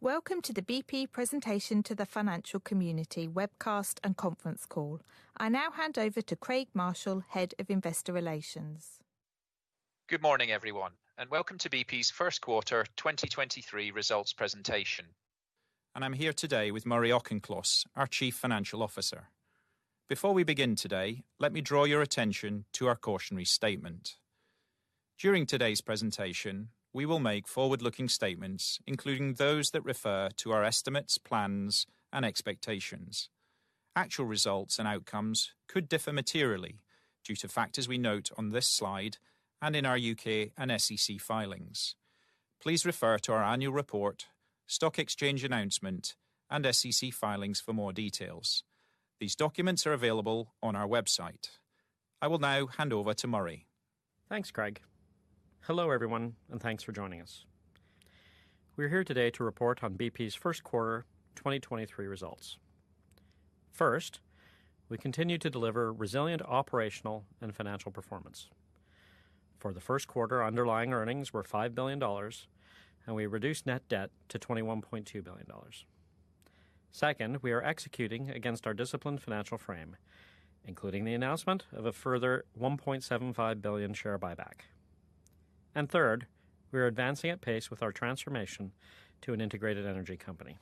Welcome to the BP presentation to the financial community webcast and conference call. I now hand over to Craig Marshall, Head of Investor Relations. Good morning, everyone. Welcome to BP's first quarter 2023 results presentation. I'm here today with Murray Auchincloss, our Chief Financial Officer. Before we begin today, let me draw your attention to our cautionary statement. During today's presentation, we will make forward-looking statements, including those that refer to our estimates, plans and expectations. Actual results and outcomes could differ materially due to factors we note on this slide and in our U.K. and SEC filings. Please refer to our annual report, stock exchange announcement, and SEC filings for more details. These documents are available on our website. I will now hand over to Murray. Thanks, Craig. Hello, everyone, and thanks for joining us. We're here today to report on BP's first quarter 2023 results. First, we continue to deliver resilient operational and financial performance. For the first quarter, underlying earnings were $5 billion and we reduced net debt to $21.2 billion. Second, we are executing against our disciplined financial frame, including the announcement of a further $1.75 billion share buyback. Third, we are advancing at pace with our transformation to an integrated energy company.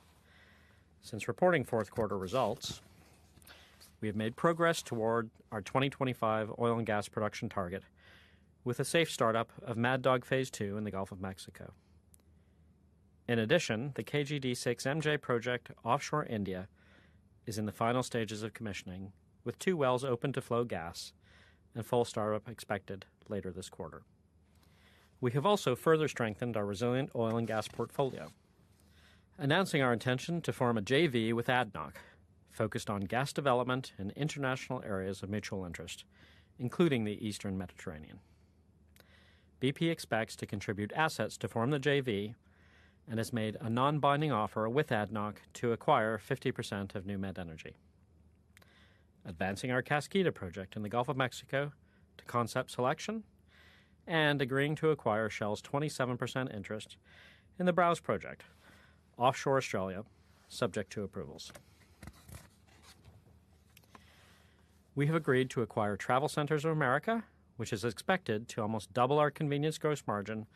Since reporting fourth quarter results, we have made progress toward our 2025 oil and gas production target with a safe startup of Mad Dog Phase II in the Gulf of Mexico. In addition, the KGD6-MJ project offshore India is in the final stages of commissioning, with two wells open to flow gas and full startup expected later this quarter. We have also further strengthened our resilient oil and gas portfolio, announcing our intention to form a JV with ADNOC focused on gas development in international areas of mutual interest, including the Eastern Mediterranean. BP expects to contribute assets to form the JV and has made a non-binding offer with ADNOC to acquire 50% of NewMed Energy, advancing our Kaskida project in the Gulf of Mexico to concept selection and agreeing to acquire Shell's 27% interest in the Browse project offshore Australia, subject to approvals. We have agreed to acquire TravelCenters of America, which is expected to almost double our convenience gross margin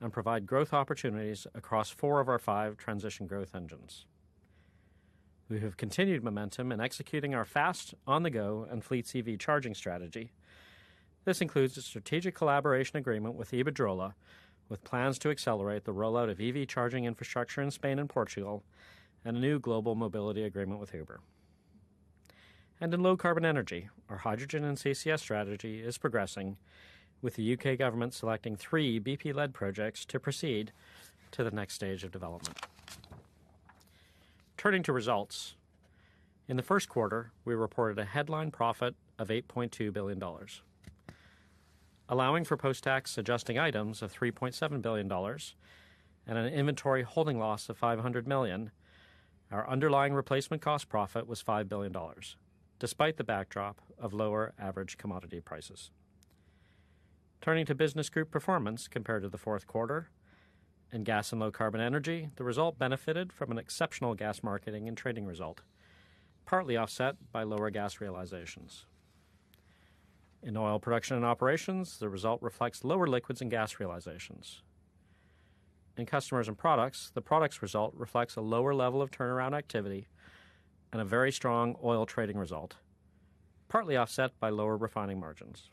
and provide growth opportunities across four of our five transition growth engines. We have continued momentum in executing our fast on-the-go and fleet EV charging strategy. This includes a strategic collaboration agreement with Iberdrola, with plans to accelerate the rollout of EV charging infrastructure in Spain and Portugal, and a new global mobility agreement with Uber. In low carbon energy, our hydrogen and CCS strategy is progressing with The U.K. government selecting three BP-led projects to proceed to the next stage of development. Turning to results. In the first quarter, we reported a headline profit of $8.2 billion. Allowing for post-tax adjusting items of $3.7 billion and an inventory holding loss of $500 million, our underlying replacement cost profit was $5 billion, despite the backdrop of lower average commodity prices. Turning to business group performance compared to the fourth quarter. In Gas and Low Carbon Energy, the result benefited from an exceptional gas marketing and trading result, partly offset by lower gas realizations. In oil production and operations, the result reflects lower liquids and gas realizations. In Customers and Products, the Products result reflects a lower level of turnaround activity and a very strong oil trading result, partly offset by lower refining margins.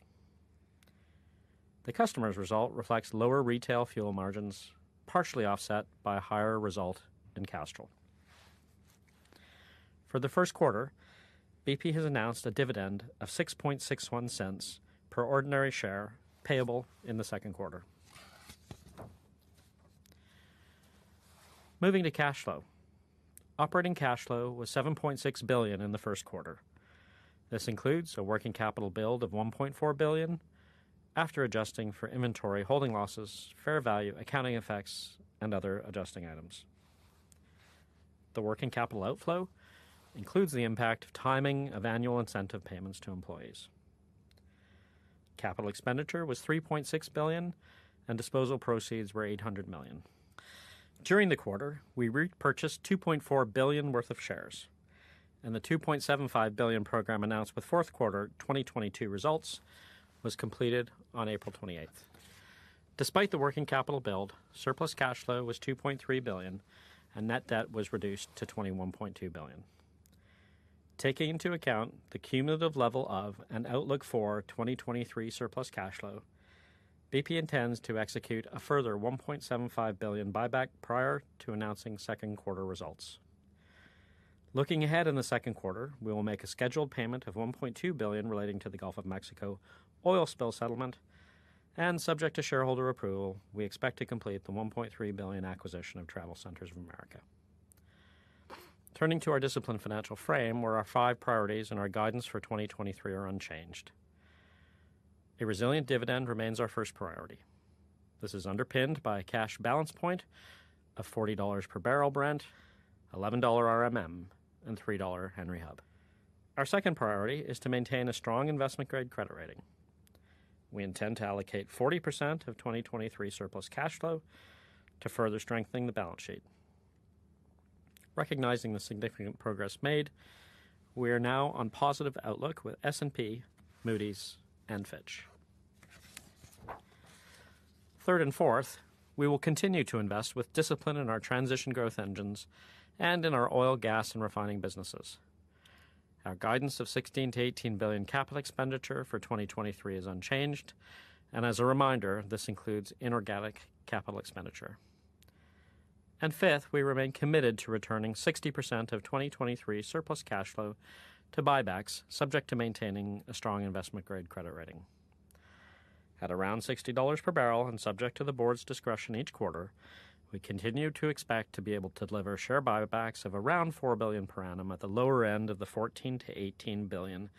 The Customers result reflects lower retail fuel margins, partially offset by a higher result in Castrol. For the first quarter, BP has announced a dividend of $0.0661 per ordinary share payable in the second quarter. Moving to cash flow. Operating cash flow was $7.6 billion in the first quarter. This includes a working capital build of $1.4 billion after adjusting for inventory holding losses, fair value, accounting effects, and other adjusting items. The working capital outflow includes the impact of timing of annual incentive payments to employees. Capital expenditure was $3.6 billion and disposal proceeds were $800 million. During the quarter, we repurchased $2.4 billion worth of shares, and the $2.75 billion program announced with fourth quarter 2022 results was completed on April 28th. Despite the working capital build, surplus cash flow was $2.3 billion and net debt was reduced to $21.2 billion. Taking into account the cumulative level of an outlook for 2023 surplus cash flow, BP intends to execute a further $1.75 billion buyback prior to announcing second quarter results. Looking ahead in the second quarter, we will make a scheduled payment of $1.2 billion relating to the Gulf of Mexico oil spill settlement, and subject to shareholder approval, we expect to complete the $1.3 billion acquisition of TravelCenters of America. Turning to our disciplined financial frame where our five priorities and our guidance for 2023 are unchanged. A resilient dividend remains our first priority. This is underpinned by a cash balance point of $40 per Barrel Brent, $11 RMM and $3 Henry Hub. Our second priority is to maintain a strong investment-grade credit rating. We intend to allocate 40% of 2023 surplus cash flow to further strengthen the balance sheet. Recognizing the significant progress made, we are now on positive outlook with S&P, Moody's, and Fitch. Third and fourth, we will continue to invest with discipline in our transition growth engines and in our oil, gas, and refining businesses. Our guidance of $16 billion-$18 billion capital expenditure for 2023 is unchanged, and as a reminder, this includes inorganic capital expenditure. Fifth, we remain committed to returning 60% of 2023 surplus cash flow to buybacks, subject to maintaining a strong investment-grade credit rating. At around $60 per barrel and subject to the board's discretion each quarter, we continue to expect to be able to deliver share buybacks of around $4 billion per annum at the lower end of the $14 billion-$18 billion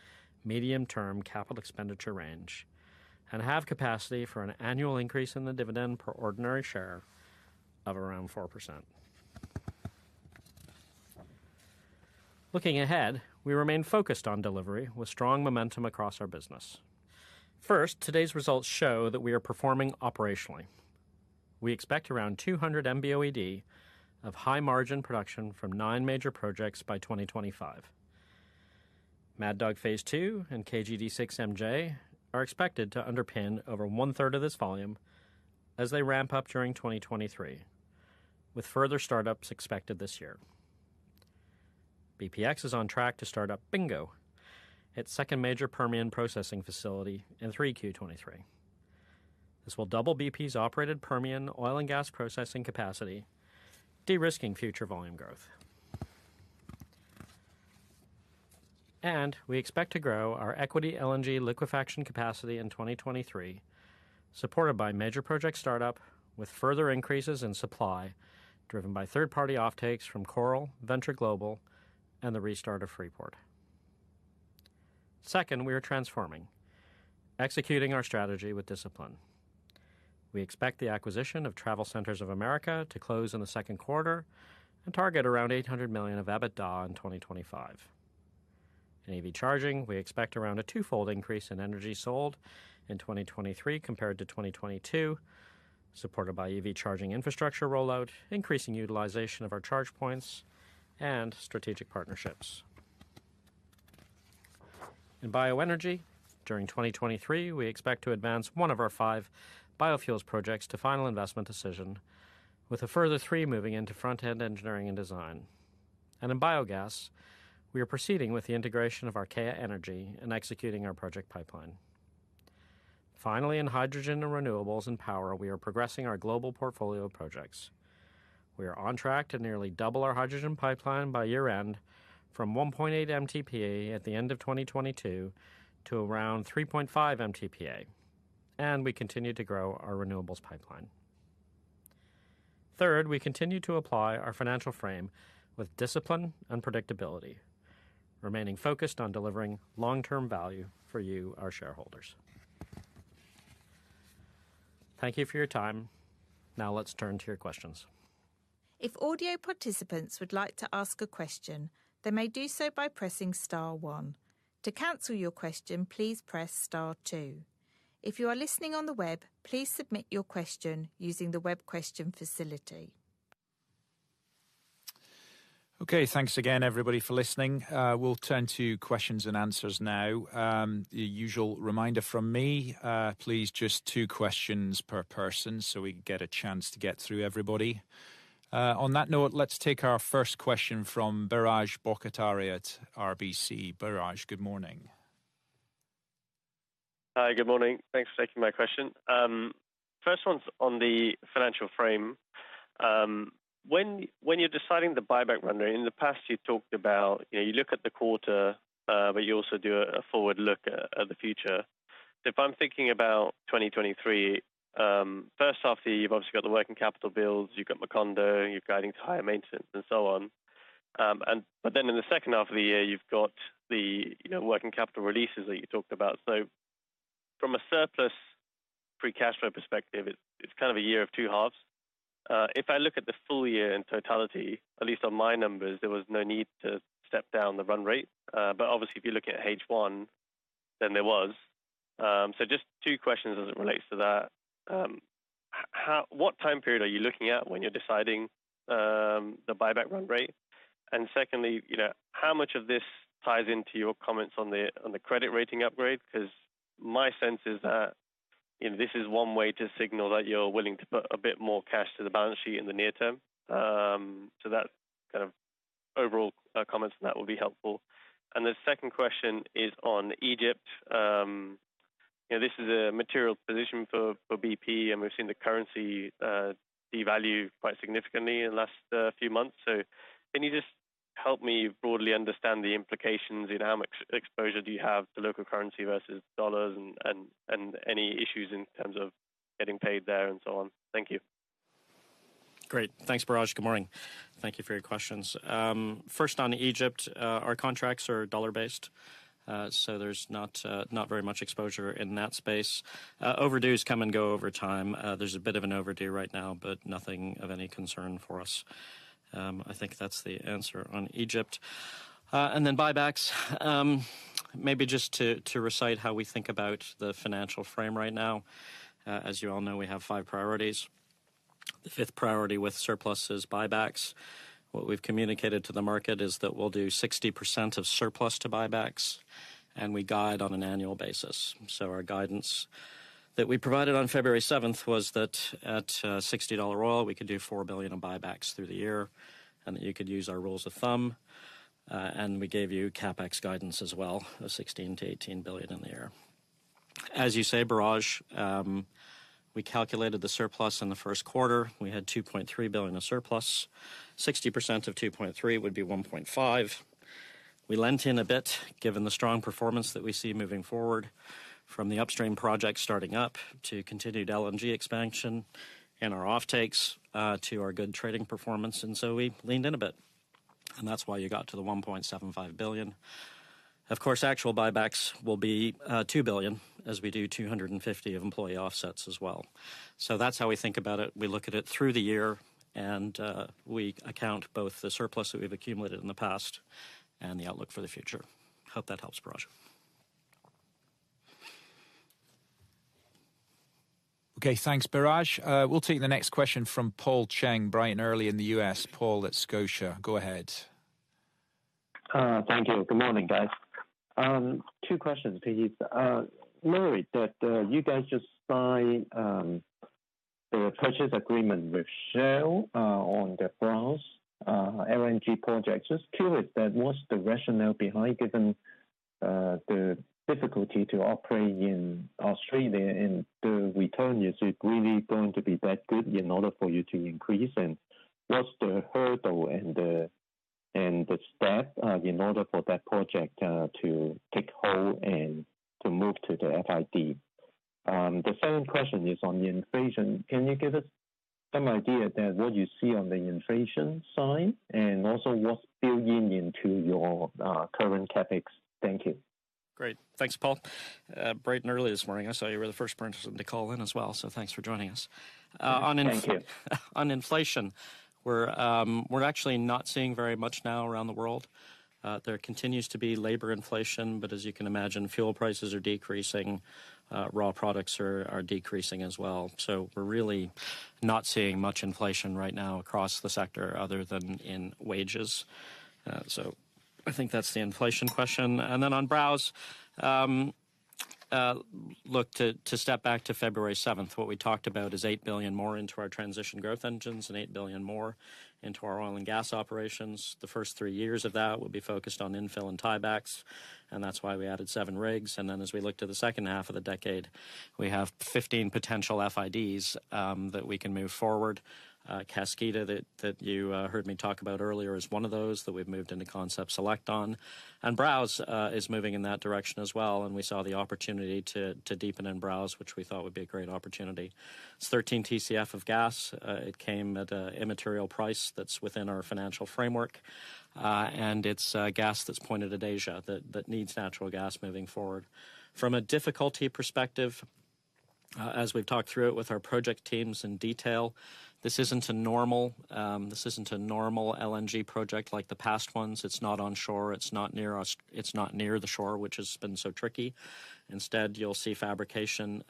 medium-term capital expenditure range and have capacity for an annual increase in the dividend per ordinary share of around 4%. Looking ahead, we remain focused on delivery with strong momentum across our business. Today's results show that we are performing operationally. We expect around 200 MBOED of high-margin production from nine major projects by 2025. Mad Dog Phase Two and KGD6-MJ are expected to underpin over one-third of this volume as they ramp up during 2023, with further startups expected this year. BPX is on track to start up Bingo, its second major Permian processing facility in 3Q 2023. This will double BP's operated Permian oil and gas processing capacity, de-risking future volume growth. We expect to grow our equity LNG liquefaction capacity in 2023, supported by major project startup, with further increases in supply driven by third-party offtakes from Coral, Venture Global, and the restart of Freeport. Second, we are transforming, executing our strategy with discipline. We expect the acquisition of Travel Centers of America to close in the second quarter and target around $800 million of EBITDA in 2025. In EV charging, we expect around a twofold increase in energy sold in 2023 compared to 2022, supported by EV charging infrastructure rollout, increasing utilization of our charge points and strategic partnerships. In bioenergy, during 2023, we expect to advance one of our five biofuels projects to final investment decision, with a further three moving into front-end engineering and design. In biogas, we are proceeding with the integration of Archaea Energy and executing our project pipeline. Finally, in hydrogen and renewables and power, we are progressing our global portfolio of projects. We are on track to nearly double our hydrogen pipeline by year-end from 1.8 MTPA at the end of 2022 to around 3.5 MTPA. We continue to grow our renewables pipeline. Third, we continue to apply our financial frame with discipline and predictability, remaining focused on delivering long-term value for you, our shareholders. Thank you for your time. Let's turn to your questions. If audio participants would like to ask a question, they may do so by pressing star one. To cancel your question, please press star two. If you are listening on the web, please submit your question using the web question facility. Okay, thanks again everybody for listening. We'll turn to questions and answers now. The usual reminder from me, please just two questions per person so we can get a chance to get through everybody. On that note, let's take our first question from Biraj Borkhataria at RBC. Biraj, good morning. Hi, good morning. Thanks for taking my question. First one's on the financial frame. When you're deciding the buyback run rate, in the past you talked about, you know, you look at the quarter, but you also do a forward look at the future. If I'm thinking about 2023, first half of the year, you've obviously got the working capital bills, you've got Macondo, you're guiding to higher maintenance and so on. In the second half of the year, you've got the, you know, working capital releases that you talked about. From a surplus free cash flow perspective, it's kind of a year of two halves. If I look at the full year in totality, at least on my numbers, there was no need to step down the run rate. Obviously if you look at H1, then there was. Just two questions as it relates to that. What time period are you looking at when you're deciding the buyback run rate? Secondly, you know, how much of this ties into your comments on the credit rating upgrade? Because my sense is that, you know, this is one way to signal that you're willing to put a bit more cash to the balance sheet in the near term. That kind of overall comments on that will be helpful. The second question is on Egypt. You know, this is a material position for BP, and we've seen the currency devalue quite significantly in the last few months. Can you just help me broadly understand the implications in how much exposure do you have to local currency versus dollars and any issues in terms of getting paid there and so on? Thank you. Great. Thanks, Biraj. Good morning. Thank you for your questions. First on Egypt, our contracts are dollar-based, there's not very much exposure in that space. Overdues come and go over time. There's a bit of an overdue right now, but nothing of any concern for us. I think that's the answer on Egypt. Buybacks. Maybe just to recite how we think about the financial frame right now. As you all know, we have five priorities. The fifth priority with surplus is buybacks. What we've communicated to the market is that we'll do 60% of surplus to buybacks, and we guide on an annual basis. Our guidance that we provided on February seventh was that at $60 oil, we could do $4 billion in buybacks through the year, and that you could use our rules of thumb. We gave you CapEx guidance as well, of $16 billion-$18 billion in the year. As you say, Biraj, we calculated the surplus in the first quarter. We had $2.3 billion of surplus. 60% of 2.3 would be 1.5. We lent in a bit, given the strong performance that we see moving forward from the upstream project starting up to continued LNG expansion and our off takes, to our good trading performance, we leaned in a bit, and that's why you got to the $1.75 billion. Of course, actual buybacks will be $2 billion as we do 250 of employee offsets as well. That's how we think about it. We look at it through the year and, we account both the surplus that we've accumulated in the past and the outlook for the future. Hope that helps, Biraj. Okay, thanks, Biraj. We'll take the next question from Paul Cheng, bright and early in the U.S. Paul at Scotiabank, go ahead. Thank you. Good morning, guys. Two questions, please. Murray, that you guys just signed the purchase agreement with Shell on the Browse LNG project. Just curious that what's the rationale behind given the difficulty to operate in Australia and the return, is it really going to be that good in order for you to increase? What's the hurdle and the step in order for that project to take hold and to move to the FID? The second question is on the inflation. Can you give us some idea that what you see on the inflation side, and also what's building into your current CapEx? Thank you. Great. Thanks, Paul. Bright and early this morning. I saw you were the first person to call in as well, so thanks for joining us. Thank you. On inflation, we're actually not seeing very much now around the world. There continues to be labor inflation, but as you can imagine, fuel prices are decreasing. Raw products are decreasing as well. We're really not seeing much inflation right now across the sector other than in wages. So I think that's the inflation question. Then on Browse, look, to step back to February seventh, what we talked about is $8 billion more into our transition growth engines and $8 billion more into our oil and gas operations. The first three years of that will be focused on infill and tiebacks, and that's why we added seven rigs. Then as we look to the second half of the decade, we have 15 potential FIDs that we can move forward. Kaskida that you heard me talk about earlier is one of those that we've moved into concept select on. Browse is moving in that direction as well, and we saw the opportunity to deepen in Browse, which we thought would be a great opportunity. It's 13 TCF of gas. It came at a immaterial price that's within our financial framework. It's gas that's pointed at Asia that needs natural gas moving forward. From a difficulty perspective, as we've talked through it with our project teams in detail, this isn't a normal LNG project like the past ones. It's not on shore. It's not near the shore, which has been so tricky. Instead, you'll see fabrication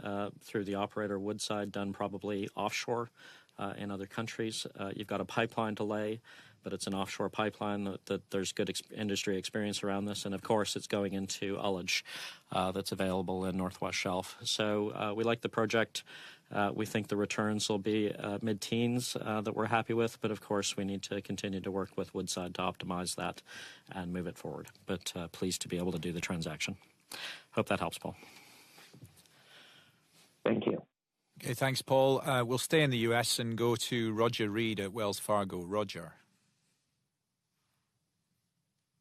through the operator Woodside done probably offshore in other countries. You've got a pipeline to lay, but it's an offshore pipeline that there's good industry experience around this. Of course, it's going into ullage that's available in North West Shelf. We like the project. We think the returns will be mid-teens that we're happy with, but of course, we need to continue to work with Woodside to optimize that and move it forward. Pleased to be able to do the transaction. Hope that helps, Paul. Thank you. Okay, thanks, Paul. We'll stay in the U.S. and go to Roger Read at Wells Fargo. Roger.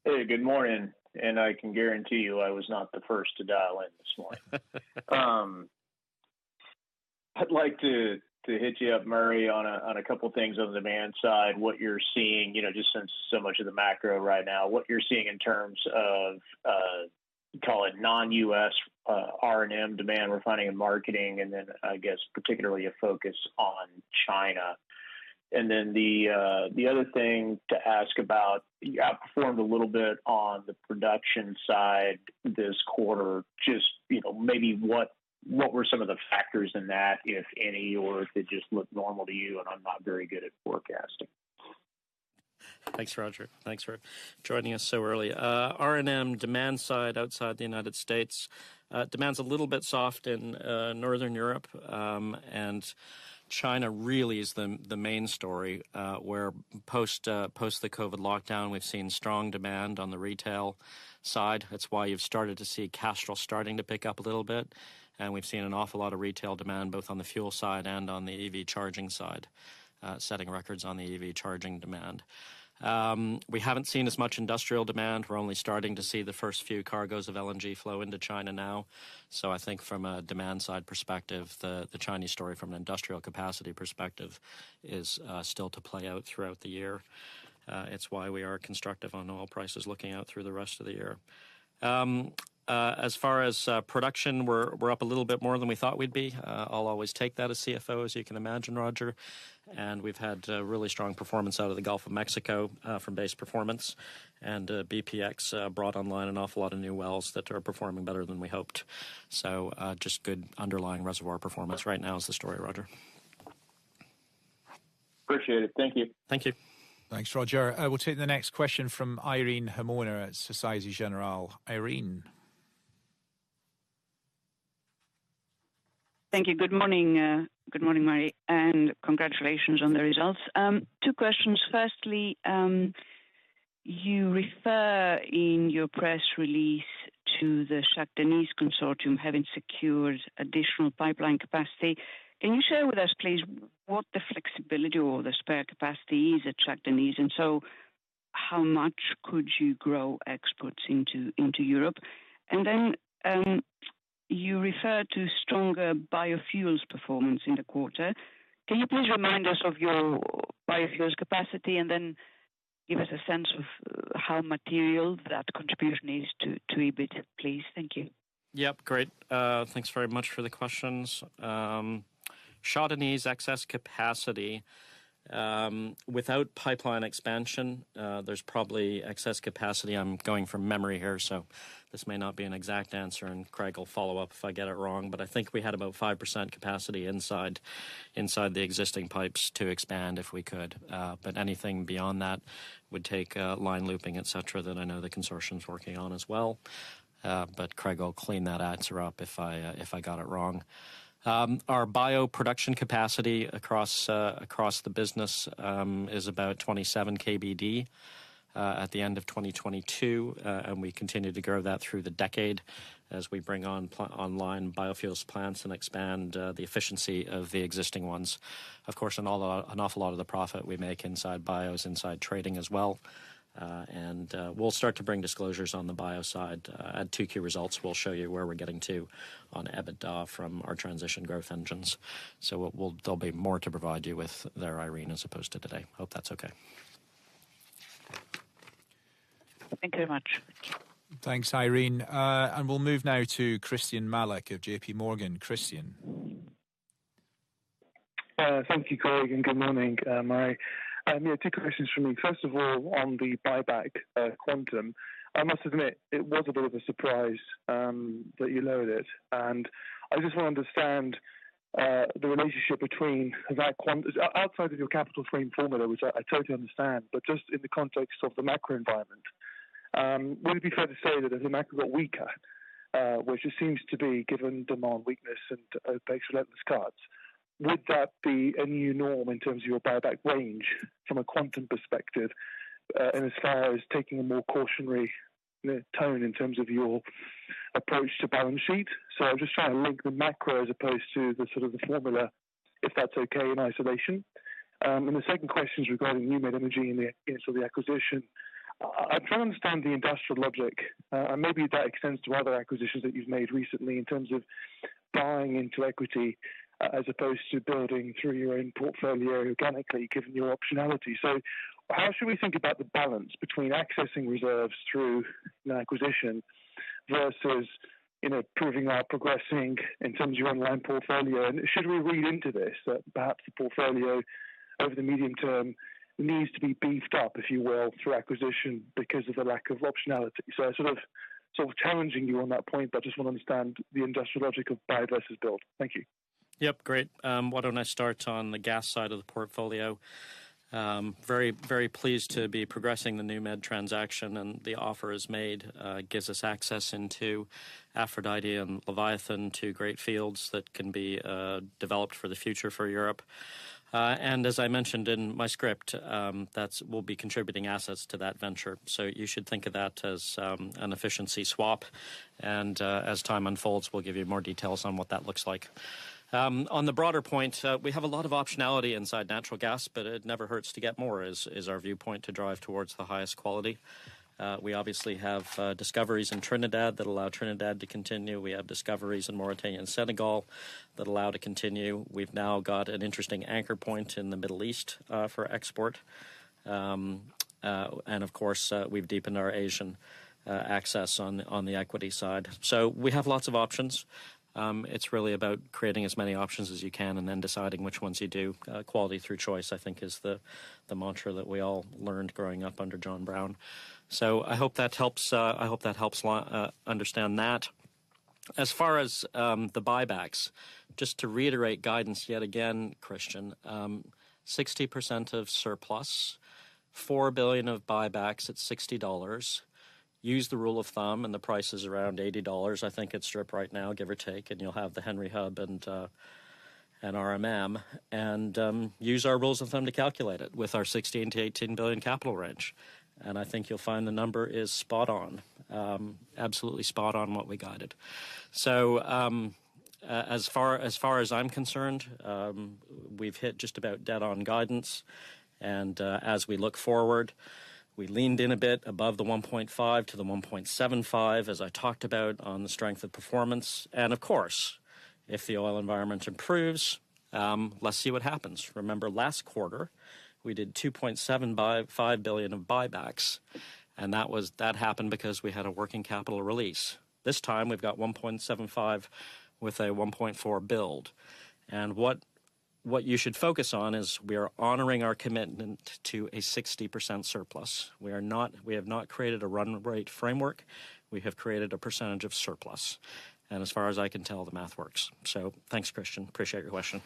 Hey, good morning. I can guarantee you I was not the first to dial in this morning. I'd like to hit you up, Murray, on a couple things on demand side, what you're seeing, you know, just since so much of the macro right now. What you're seeing in terms of call it non-US R&M demand refining and marketing, and then I guess particularly a focus on China. The other thing to ask about, you outperformed a little bit on the production side this quarter. Just, you know, maybe what were some of the factors in that, if any, or if it just looked normal to you and I'm not very good at forecasting? Thanks, Roger. Thanks for joining us so early. R&M demand side outside the United States, demand's a little bit soft in Northern Europe. China really is the main story, where post the COVID lockdown, we've seen strong demand on the retail side. That's why you've started to see Castrol starting to pick up a little bit. We've seen an awful lot of retail demand, both on the fuel side and on the EV charging side, setting records on the EV charging demand. We haven't seen as much industrial demand. We're only starting to see the first few cargoes of LNG flow into China now. I think from a demand side perspective, the Chinese story from an industrial capacity perspective is still to play out throughout the year. It's why we are constructive on oil prices looking out through the rest of the year. As far as production, we're up a little bit more than we thought we'd be. I'll always take that as CFO, as you can imagine, Roger. We've had really strong performance out of the Gulf of Mexico, from base performance and BPX brought online an awful lot of new wells that are performing better than we hoped. Just good underlying reservoir performance right now is the story, Roger. Appreciate it. Thank you. Thank you. Thanks, Roger. We'll take the next question from Irene Himona at Societe Generale. Irene. Thank you. Good morning, good morning, Murray, and congratulations on the results. Two questions. Firstly, you refer in your press release to the Shah Deniz consortium having secured additional pipeline capacity. Can you share with us, please, what the flexibility or the spare capacity is at Shah Deniz? So how much could you grow exports into Europe? Then you referred to stronger biofuels performance in the quarter. Can you please remind us of your biofuels capacity and then give us a sense of how material that contribution is to EBIT, please? Thank you. Yep, great. Thanks very much for the questions. Shah Deniz excess capacity, without pipeline expansion, there's probably excess capacity. I'm going from memory here, so this may not be an exact answer, and Craig will follow up if I get it wrong. I think we had about 5% capacity inside the existing pipes to expand if we could. Anything beyond that would take line looping, et cetera, that I know the consortium's working on as well. Craig will clean that answer up if I got it wrong. Our bioproduction capacity across the business is about 27 KBD at the end of 2022. We continue to grow that through the decade as we bring online biofuels plants and expand the efficiency of the existing ones. Of course, an awful lot of the profit we make inside bio is inside trading as well. We'll start to bring disclosures on the bio side. At 2Q results, we'll show you where we're getting to on EBITDA from our transition growth engines. We'll there'll be more to provide you with there, Irene, as opposed to today. Hope that's okay? Thank you very much. Thanks, Irene. We'll move now to Christyan Malek of JP Morgan. Christyan. Thank you, Craig, and good morning, Murray. Yeah, two questions from me. First of all, on the buyback, quantum, I must admit it was a bit of a surprise that you lowered it. I just want to understand the relationship between that outside of your capital frame formula, which I totally understand, but just in the context of the macro environment, would it be fair to say that as the macro got weaker, which it seems to be given demand weakness and OPEC's relentless cuts, would that be a new norm in terms of your buyback range from a quantum perspective, and as far as taking a more cautionary, you know, tone in terms of your approach to balance sheet? I'm just trying to link the macro as opposed to the sort of the formula, if that's okay, in isolation. The second question is regarding NewMed Energy and sort of the acquisition. I'm trying to understand the industrial logic, and maybe that extends to other acquisitions that you've made recently in terms of buying into equity as opposed to building through your own portfolio organically, given your optionality. How should we think about the balance between accessing reserves through an acquisition versus, you know, proving up, progressing in terms of your own land portfolio? Should we read into this that perhaps the portfolio over the medium term needs to be beefed up, if you will, through acquisition because of the lack of optionality? I sort of challenging you on that point, but I just want to understand the industrial logic of buy versus build. Thank you. Yep, great. Why don't I start on the gas side of the portfolio? Very, very pleased to be progressing the NewMed transaction, the offer is made, gives us access into Aphrodite and Leviathan, two great fields that can be developed for the future for Europe. As I mentioned in my script, we'll be contributing assets to that venture. You should think of that as an efficiency swap. As time unfolds, we'll give you more details on what that looks like. On the broader point, we have a lot of optionality inside natural gas, but it never hurts to get more is our viewpoint to drive towards the highest quality. We obviously have discoveries in Trinidad that allow Trinidad to continue. We have discoveries in Mauritania and Senegal that allow to continue. We've now got an interesting anchor point in the Middle East for export. Of course, we've deepened our Asian access on the equity side. We have lots of options. It's really about creating as many options as you can and then deciding which ones you do. Quality through choice, I think, is the mantra that we all learned growing up under John Browne. I hope that helps. I hope that helps understand that. As far as the buybacks, just to reiterate guidance yet again, Christyan, 60% of surplus, $4 billion of buybacks at $60. Use the rule of thumb, the price is around $80, I think at strip right now, give or take, and you'll have the Henry Hub and RMM. Use our rules of thumb to calculate it with our $16 billion-$18 billion capital range. I think you'll find the number is spot on, absolutely spot on what we guided. As far as I'm concerned, we've hit just about dead on guidance. As we look forward, we leaned in a bit above the $1.5 billion to the $1.75 billion, as I talked about on the strength of performance. Of course, if the oil environment improves, let's see what happens. Remember last quarter, we did $2.75 billion of buybacks, and that happened because we had a working capital release. This time we've got $1.75 billion with a $1.4 billion build. What you should focus on is we are honoring our commitment to a 60% surplus. We have not created a run rate framework. We have created a percentage of surplus. As far as I can tell, the math works. Thanks, Christyan. Appreciate your question.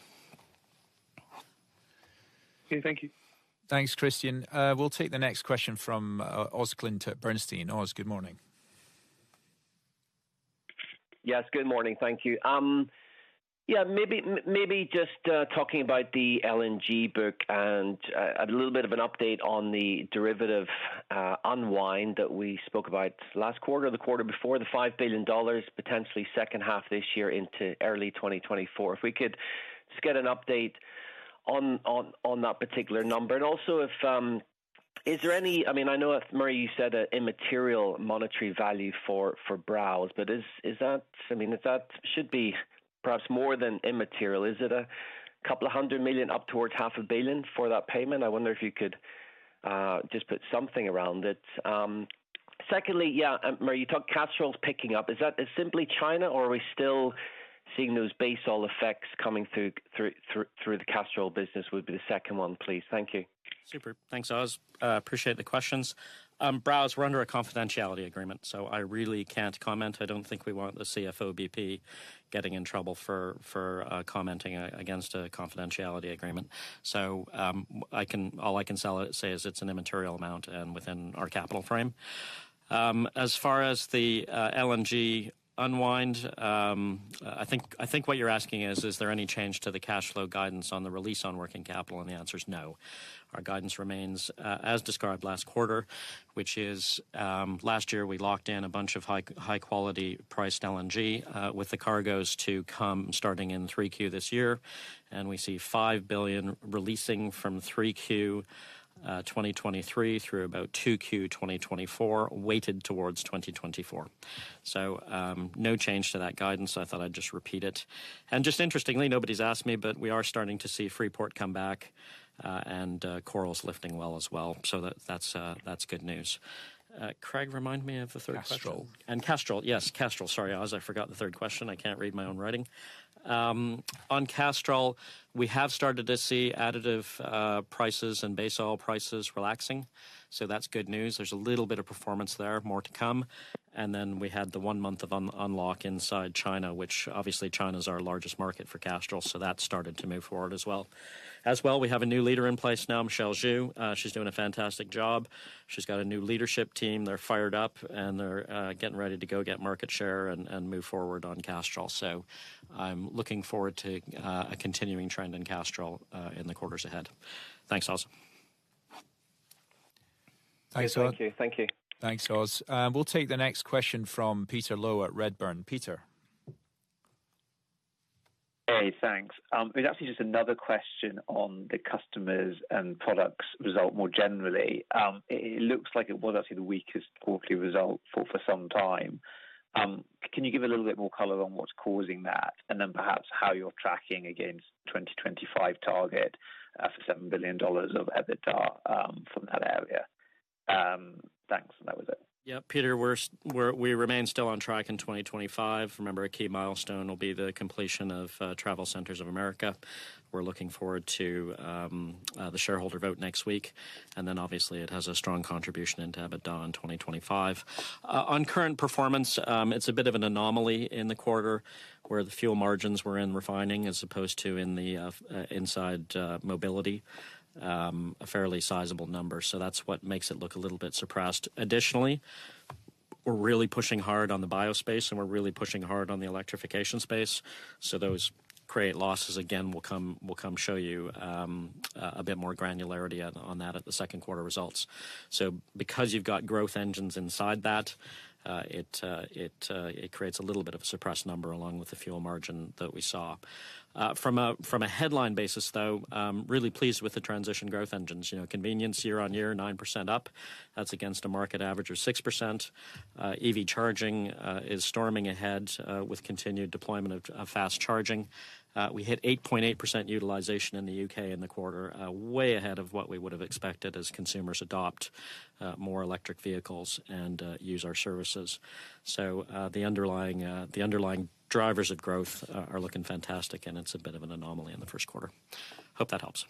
Okay, thank you. Thanks, Christyan. We'll take the next question from Oswald Clint at Bernstein. Oz, good morning. Yes, good morning. Thank you. Maybe just talking about the LNG book and a little bit of an update on the derivative unwind that we spoke about last quarter or the quarter before, the $5 billion, potentially second half of this year into early 2024. If we could just get an update on that particular number. Also if there any. I know Murray, you said a immaterial monetary value for Browse, but if that should be perhaps more than immaterial, is it a couple of hundred million up towards half a billion for that payment? I wonder if you could just put something around it. Secondly, Murray, you talked Castrol's picking up. Is that simply China or are we still seeing those base oil effects coming through the Castrol business would be the second one, please? Thank you. Super. Thanks, Oz. Appreciate the questions. Browse, we're under a confidentiality agreement, so I really can't comment. I don't think we want the CFO BP getting in trouble for commenting against a confidentiality agreement. All I can say is it's an immaterial amount and within our capital frame. As far as the LNG unwind, I think what you're asking is there any change to the cash flow guidance on the release on working capital, and the answer is no. Our guidance remains as described last quarter, which is, last year we locked in a bunch of high quality priced LNG with the cargoes to come starting in 3Q this year. We see 5 billion releasing from 3Q 2023 through about 2Q 2024, weighted towards 2024. No change to that guidance. I thought I'd just repeat it. Interestingly, nobody's asked me, but we are starting to see Freeport come back, and Coral's lifting well as well. That's good news. Craig, remind me of the third question? Castrol. Castrol. Yes. Castrol. Sorry, Oz, I forgot the third question. I can't read my own writing. On Castrol, we have started to see additive prices and base oil prices relaxing. That's good news. There's a little bit of performance there, more to come. We had the one month of un-unlock inside China, which obviously China is our largest market for Castrol, so that started to move forward as well. As well, we have a new leader in place now, Michelle Zhu. She's doing a fantastic job. She's got a new leadership team. They're fired up and they're getting ready to go get market share and move forward on Castrol. I'm looking forward to a continuing trend in Castrol in the quarters ahead. Thanks, Oz. Thanks, Oz. Great. Thank you. Thank you. Thanks, Oz. We'll take the next question from Peter Low at Redburn. Peter. Hey, thanks. It's actually just another question on the Customers and Products result more generally. It looks like it was actually the weakest quarterly result for some time. Can you give a little bit more color on what's causing that? Perhaps how you're tracking against 2025 target for $7 billion of EBITDA from that area. Thanks. That was it. Peter, we remain still on track in 2025. Remember, a key milestone will be the completion of TravelCenters of America. We're looking forward to the shareholder vote next week, obviously it has a strong contribution into EBITDA in 2025. On current performance, it's a bit of an anomaly in the quarter where the fuel margins were in refining as opposed to in the inside mobility, a fairly sizable number. That's what makes it look a little bit suppressed. Additionally, we're really pushing hard on the bio space, and we're really pushing hard on the electrification space. Those create losses. Again, we'll come show you a bit more granularity on that at the 2Q results. Because you've got growth engines inside that, it creates a little bit of a suppressed number along with the fuel margin that we saw. From a headline basis, though, I'm really pleased with the transition growth engines. You know, convenience year-on-year, 9% up. That's against a market average of 6%. EV charging is storming ahead with continued deployment of fast charging. We hit 8.8% utilization in The U.K. in the quarter, way ahead of what we would have expected as consumers adopt more electric vehicles and use our services. The underlying drivers of growth are looking fantastic, and it's a bit of an anomaly in the first quarter. Hope that helps.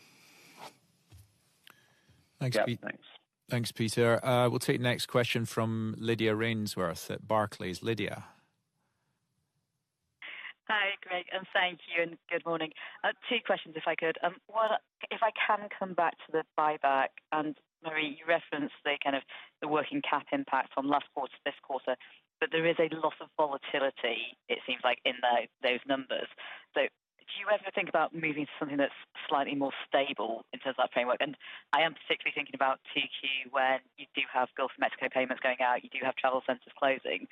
Yeah, thanks. Thanks, Peter. We'll take next question from Lydia Rainforth at Barclays. Lydia. Hi, Greg, thank you and good morning. Two questions, if I could. one, if I can come back to the buyback, Murray, you referenced the kind of the working cap impact from last quarter to this quarter, there is a lot of volatility, it seems like in those numbers. Do you ever think about moving to something that's slightly more stable in terms of that framework? I am particularly thinking about 2Q when you do have Gulf of Mexico payments going out, you do have TravelCenters closing.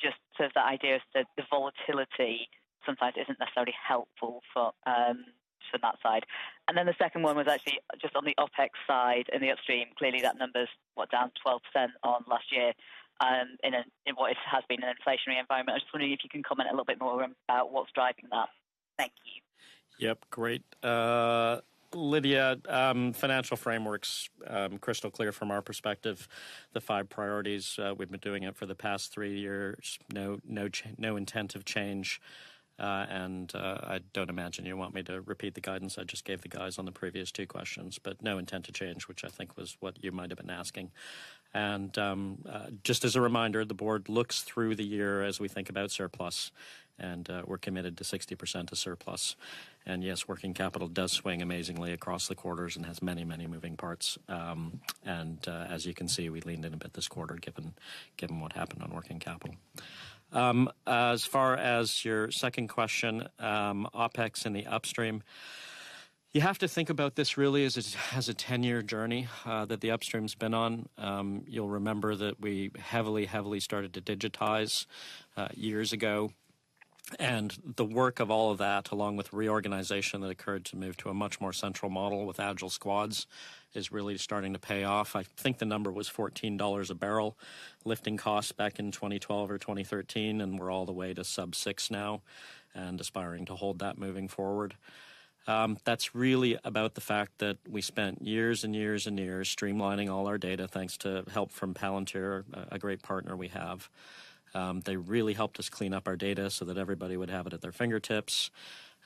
Just sort of the idea is that the volatility sometimes isn't necessarily helpful for from that side. The second one was actually just on the OpEx side in the upstream. Clearly, that number's, what? Down 12% on last year, in what has been an inflationary environment. I was just wondering if you can comment a little bit more around what's driving that. Thank you. Yep, great. Lydia, financial framework's crystal clear from our perspective. The five priorities, we've been doing it for the past three years. No intent of change. I don't imagine you want me to repeat the guidance I just gave the guys on the previous two questions, but no intent to change, which I think was what you might have been asking. Just as a reminder, the board looks through the year as we think about surplus, we're committed to 60% of surplus. Yes, working capital does swing amazingly across the quarters and has many moving parts. As you can see, we leaned in a bit this quarter, given what happened on working capital. As far as your second question, OpEx in the upstream. You have to think about this really as a 10-year journey that the upstream's been on. You'll remember that we heavily started to digitize years ago. The work of all of that, along with reorganization that occurred to move to a much more central model with agile squads, is really starting to pay off. I think the number was $14 a barrel lifting costs back in 2012 or 2013, and we're all the way to sub $6 now and aspiring to hold that moving forward. That's really about the fact that we spent years and years and years streamlining all our data thanks to help from Palantir, a great partner we have. They really helped us clean up our data so that everybody would have it at their fingertips.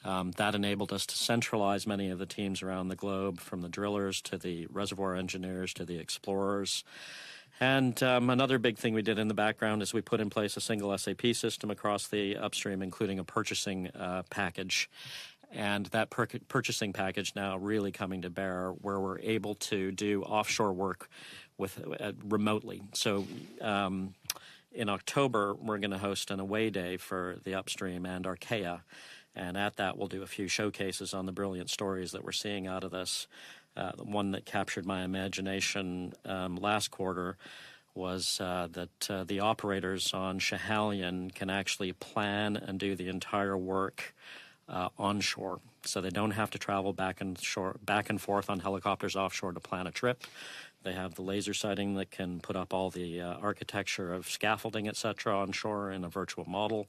That enabled us to centralize many of the teams around the globe, from the drillers to the reservoir engineers to the explorers. Another big thing we did in the background is we put in place a single SAP system across the upstream, including a purchasing package. That purchasing package now really coming to bear, where we're able to do offshore work with remotely. In October, we're gonna host an away day for the upstream and Archaea, and at that, we'll do a few showcases on the brilliant stories that we're seeing out of this. One that captured my imagination last quarter was that the operators on Schiehallion can actually plan and do the entire work onshore. They don't have to travel back and shore, back and forth on helicopters offshore to plan a trip. They have the laser sighting that can put up all the architecture of scaffolding, et cetera, onshore in a virtual model.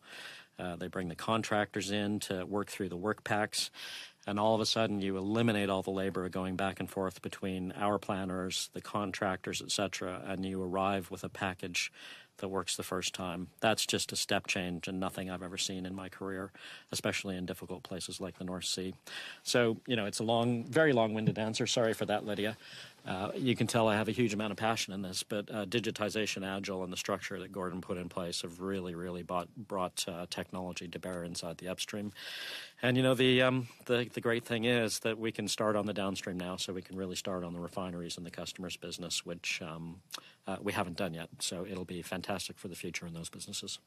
They bring the contractors in to work through the work packs, and all of a sudden you eliminate all the labor going back and forth between our planners, the contractors, et cetera, and you arrive with a package that works the first time. That's just a step change and nothing I've ever seen in my career, especially in difficult places like the North Sea. You know, it's a long, very long-winded answer. Sorry for that, Lydia. You can tell I have a huge amount of passion in this. Digitization, agile, and the structure that Gordon put in place have really brought technology to bear inside the upstream. You know, the great thing is that we can start on the downstream now. We can really start on the refineries and the customers' business, which we haven't done yet. It'll be fantastic for the future in those businesses.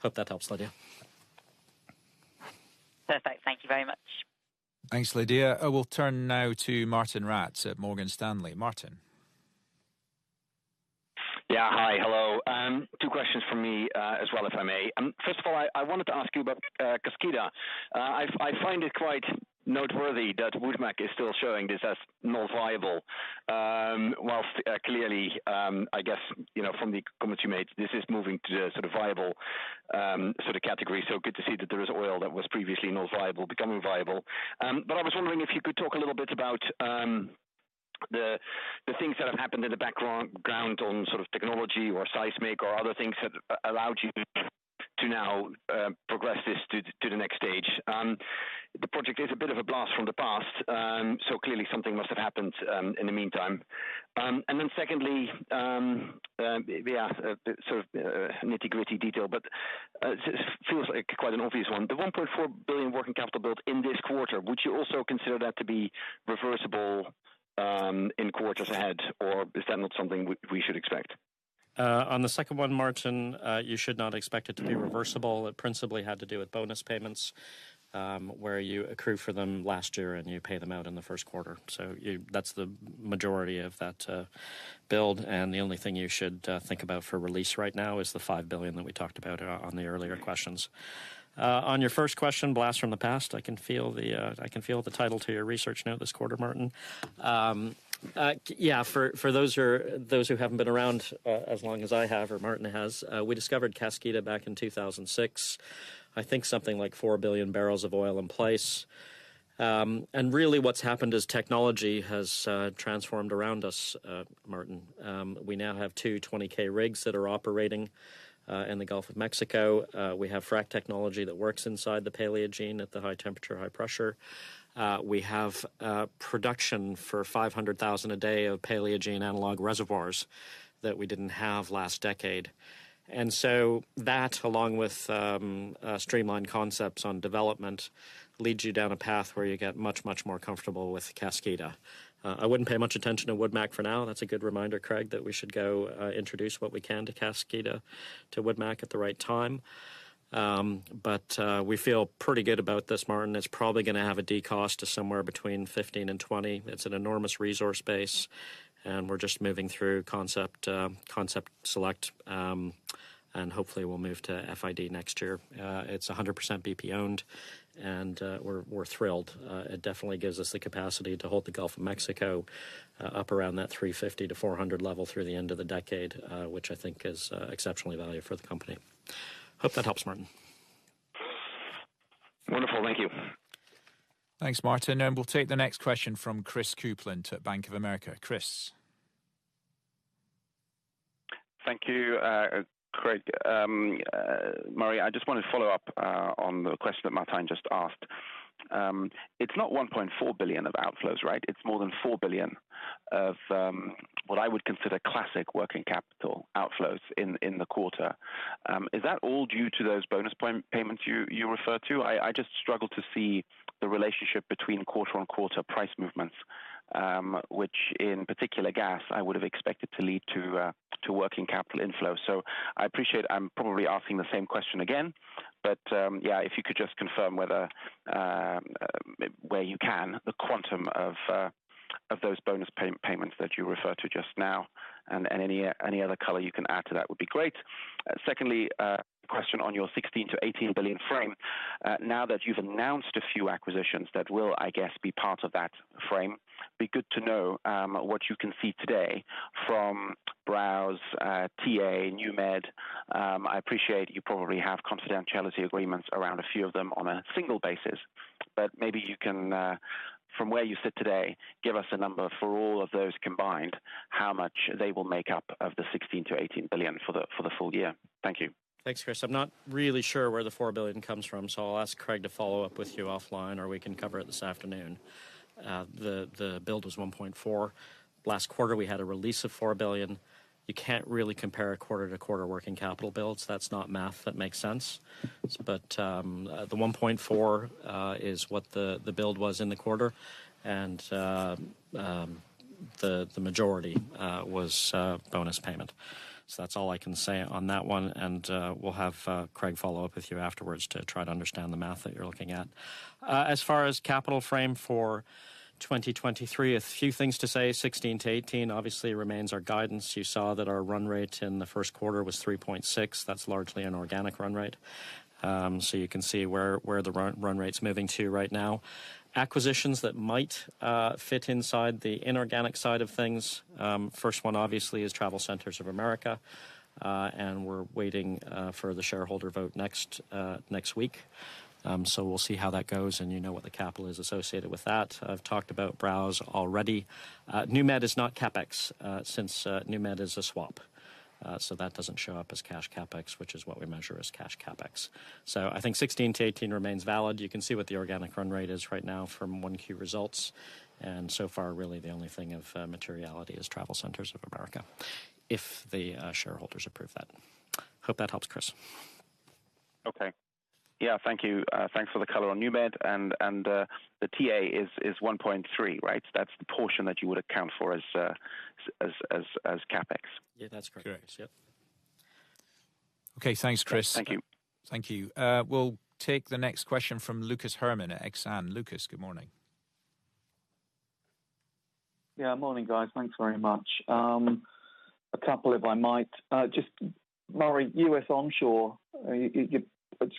Hope that helps, Lydia. Perfect. Thank you very much. Thanks, Lydia. We'll turn now to Martijn Rats at Morgan Stanley. Martijn. Yeah. Hi. Hello. Two questions from me as well, if I may. First of all, I wanted to ask you about Kaskida. I find it quite noteworthy that Woodmac is still showing this as not viable, whilst clearly, I guess, you know, from the comments you made, this is moving to the sort of viable sort of category. Good to see that there is oil that was previously not viable becoming viable. I was wondering if you could talk a little bit about the things that have happened in the background on sort of technology or seismic or other things that allowed you to now progress this to the next stage. The project is a bit of a blast from the past, so clearly something must have happened in the meantime. Then secondly, yeah, sort of nitty-gritty detail, but it feels like quite an obvious one. The $1.4 billion working capital built in this quarter, would you also consider that to be reversible in quarters ahead, or is that not something we should expect? On the second one, Martijn, you should not expect it to be reversible. It principally had to do with bonus payments, where you accrue for them last year and you pay them out in the first quarter. That's the majority of that build, and the only thing you should think about for release right now is the $5 billion that we talked about on the earlier questions. On your first question, blast from the past, I can feel the title to your research note this quarter, Martijn. For those who haven't been around as long as I have or Martijn has, we discovered Kaskida back in 2006. I think something like 4 billion barrels of oil in place. Really what's happened is technology has transformed around us, Martijn. We now have 2 20K rigs that are operating in the Gulf of Mexico. We have frack technology that works inside the Paleogene at the high temperature, high pressure. We have production for 500,000 a day of Paleogene analog reservoirs that we didn't have last decade. That, along with streamlined concepts on development, leads you down a path where you get much, much more comfortable with Kaskida. I wouldn't pay much attention to Woodmac for now. That's a good reminder, Craig, that we should go introduce what we can to Kaskida, to Woodmac at the right time. We feel pretty good about this, Martijn. It's probably gonna have a decost to somewhere between 15 and 20. It's an enormous resource base, and we're just moving through concept select, and hopefully we'll move to FID next year. It's 100% BP-owned, and we're thrilled. It definitely gives us the capacity to hold the Gulf of Mexico up around that 350 to 400 level through the end of the decade, which I think is exceptionally valuable for the company. Hope that helps, Martijn. Wonderful. Thank you. Thanks, Martijn. We'll take the next question from Christopher Kuplent at Bank of America. Chris. Thank you, Craig. Murray, I just wanted to follow up on the question that Martijn just asked. It's not $1.4 billion of outflows, right? It's more than $4 billion of what I would consider classic working capital outflows in the quarter. Is that all due to those bonus pay-payments you referred to? I just struggle to see the relationship between quarter-on-quarter pricing, which in particular gas I would have expected to lead to working capital inflow. I appreciate I'm probably asking the same question again, but, yeah, if you could just confirm whether where you can, the quantum of those bonus pay-payments that you referred to just now and any other color you can add to that would be great. Secondly, question on your $16 billion-$18 billion frame. Now that you've announced a few acquisitions that will, I guess, be part of that frame, be good to know what you can see today from Browse, TA, NewMed. I appreciate you probably have confidentiality agreements around a few of them on a single basis, but maybe you can from where you sit today, give us a number for all of those combined, how much they will make up of the $16 billion-$18 billion for the full year. Thank you. Thanks, Chris. I'm not really sure where the $4 billion comes from, I'll ask Craig to follow up with you offline, or we can cover it this afternoon. The build was $1.4 billion. Last quarter, we had a release of $4 billion. You can't really compare a quarter-to-quarter working capital builds. That's not math that makes sense. The $1.4 billion is what the build was in the quarter. The majority was bonus payment. That's all I can say on that one. We'll have Craig follow up with you afterwards to try to understand the math that you're looking at. As far as capital frame for 2023, a few things to say. $16 billion-$18 billion obviously remains our guidance. You saw that our run rate in the first quarter was 3.6. That's largely an organic run rate. You can see where the run rate's moving to right now. Acquisitions that might fit inside the inorganic side of things. First one, obviously is TravelCenters of America. And we're waiting for the shareholder vote next week. We'll see how that goes. You know what the capital is associated with that. I've talked about Browse already. NewMed is not CapEx, since NewMed is a swap, so that doesn't show up as cash CapEx, which is what we measure as cash CapEx. I think $16 billion-$18 billion remains valid. You can see what the organic run rate is right now from 1Q results. So far, really the only thing of materiality is TravelCenters of America, if the shareholders approve that. Hope that helps, Chris. Okay. Yeah. Thank you. Thanks for the color on NewMed. The TA is $1.3, right? That's the portion that you would account for as CapEx. Yeah, that's correct. Correct. Yep. Okay. Thanks, Chris. Thank you. Thank you. We'll take the next question from Lucas Herrmann at Exane. Lucas, good morning. Yeah. Morning, guys. Thanks very much. if I might. Just Murray, US onshore.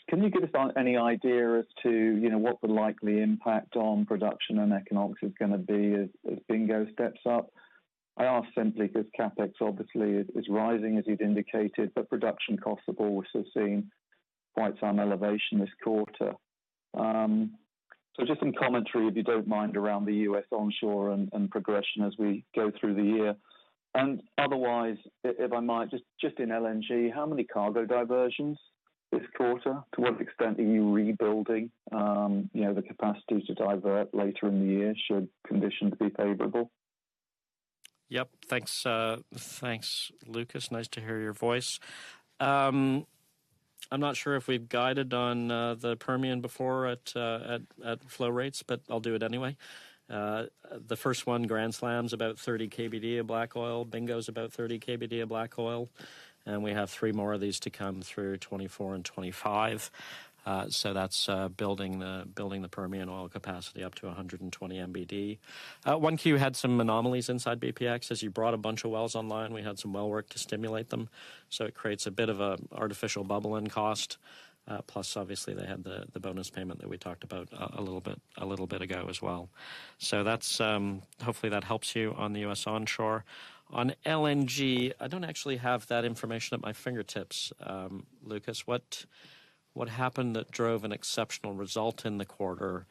Can you give us any idea as to, you know, what the likely impact on production and economics is gonna be as Bingo steps up? I ask simply because CapEx obviously is rising, as you'd indicated, but production costs have also seen quite some elevation this quarter. Just some commentary, if you don't mind, around the US onshore and progression as we go through the year. Otherwise, if I might, just in LNG, how many cargo diversions this quarter? To what extent are you rebuilding, you know, the capacity to divert later in the year should conditions be favorable? Yep. Thanks, thanks, Lucas. Nice to hear your voice. I'm not sure if we've guided on the Permian before at flow rates, but I'll do it anyway. The first one, Grand Slam's about 30 KBD of black oil. Bingo's about 30 KBD of black oil. We have three more of these to come through 2024 and 2025. That's building the Permian oil capacity up to 120 MBD. 1Q had some anomalies inside BPX. As you brought a bunch of wells online, we had some well work to stimulate them, so it creates a bit of an artificial bubble in cost. Plus obviously they had the bonus payment that we talked about a little bit ago as well. That's hopefully that helps you on the US onshore. On LNG, I don't actually have that information at my fingertips, Lucas. What happened that drove an exceptional result in the quarter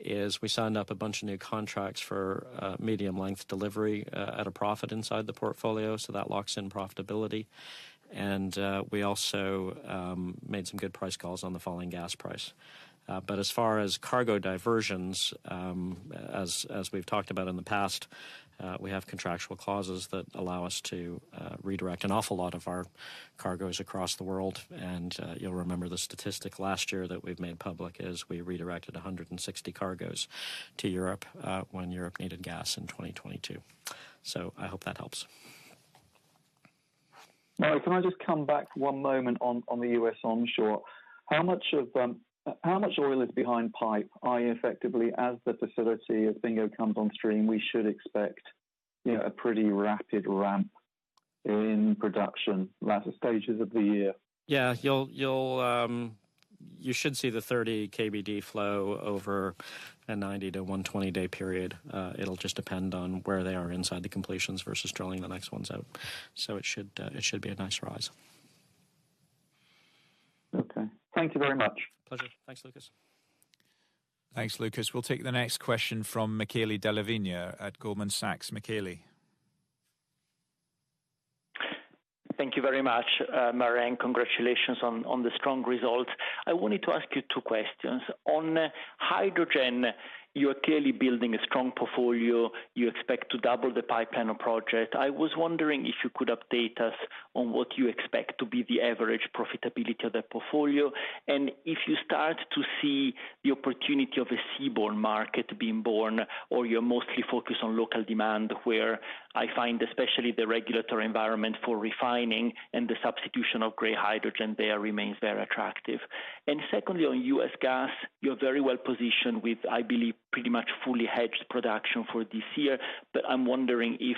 is we signed up a bunch of new contracts for medium length delivery at a profit inside the portfolio, so that locks in profitability. We also made some good price calls on the falling gas price. As far as cargo diversions, as we've talked about in the past, we have contractual clauses that allow us to redirect an awful lot of our cargoes across the world. You'll remember the statistic last year that we've made public is we redirected 160 cargoes to Europe when Europe needed gas in 2022. I hope that helps. Murray, can I just come back one moment on the US onshore? How much of, how much oil is behind pipe? Are you effectively as the facility Bingo comes on stream, we should expect, you know, a pretty rapid ramp in production latter stages of the year? Yeah. You'll you should see the 30 KBD flow over a 90-120-day period. It'll just depend on where they are inside the completions versus drilling the next ones out. It should be a nice rise. Okay. Thank you very much. Pleasure. Thanks, Lucas. Thanks, Lucas. We'll take the next question from Michele Della Vigna at Goldman Sachs. Michele? Thank you very much, Murray, and congratulations on the strong results. I wanted to ask you two questions. On hydrogen, you're clearly building a strong portfolio. You expect to double the pipeline of project. I was wondering if you could update us on what you expect to be the average profitability of that portfolio, and if you start to see the opportunity of a seaborne market being born, or you're mostly focused on local demand, where I find especially the regulatory environment for refining and the substitution of grey hydrogen there remains very attractive? Secondly, on US gas, you're very well-positioned with, I believe, pretty much fully hedged production for this year. I'm wondering if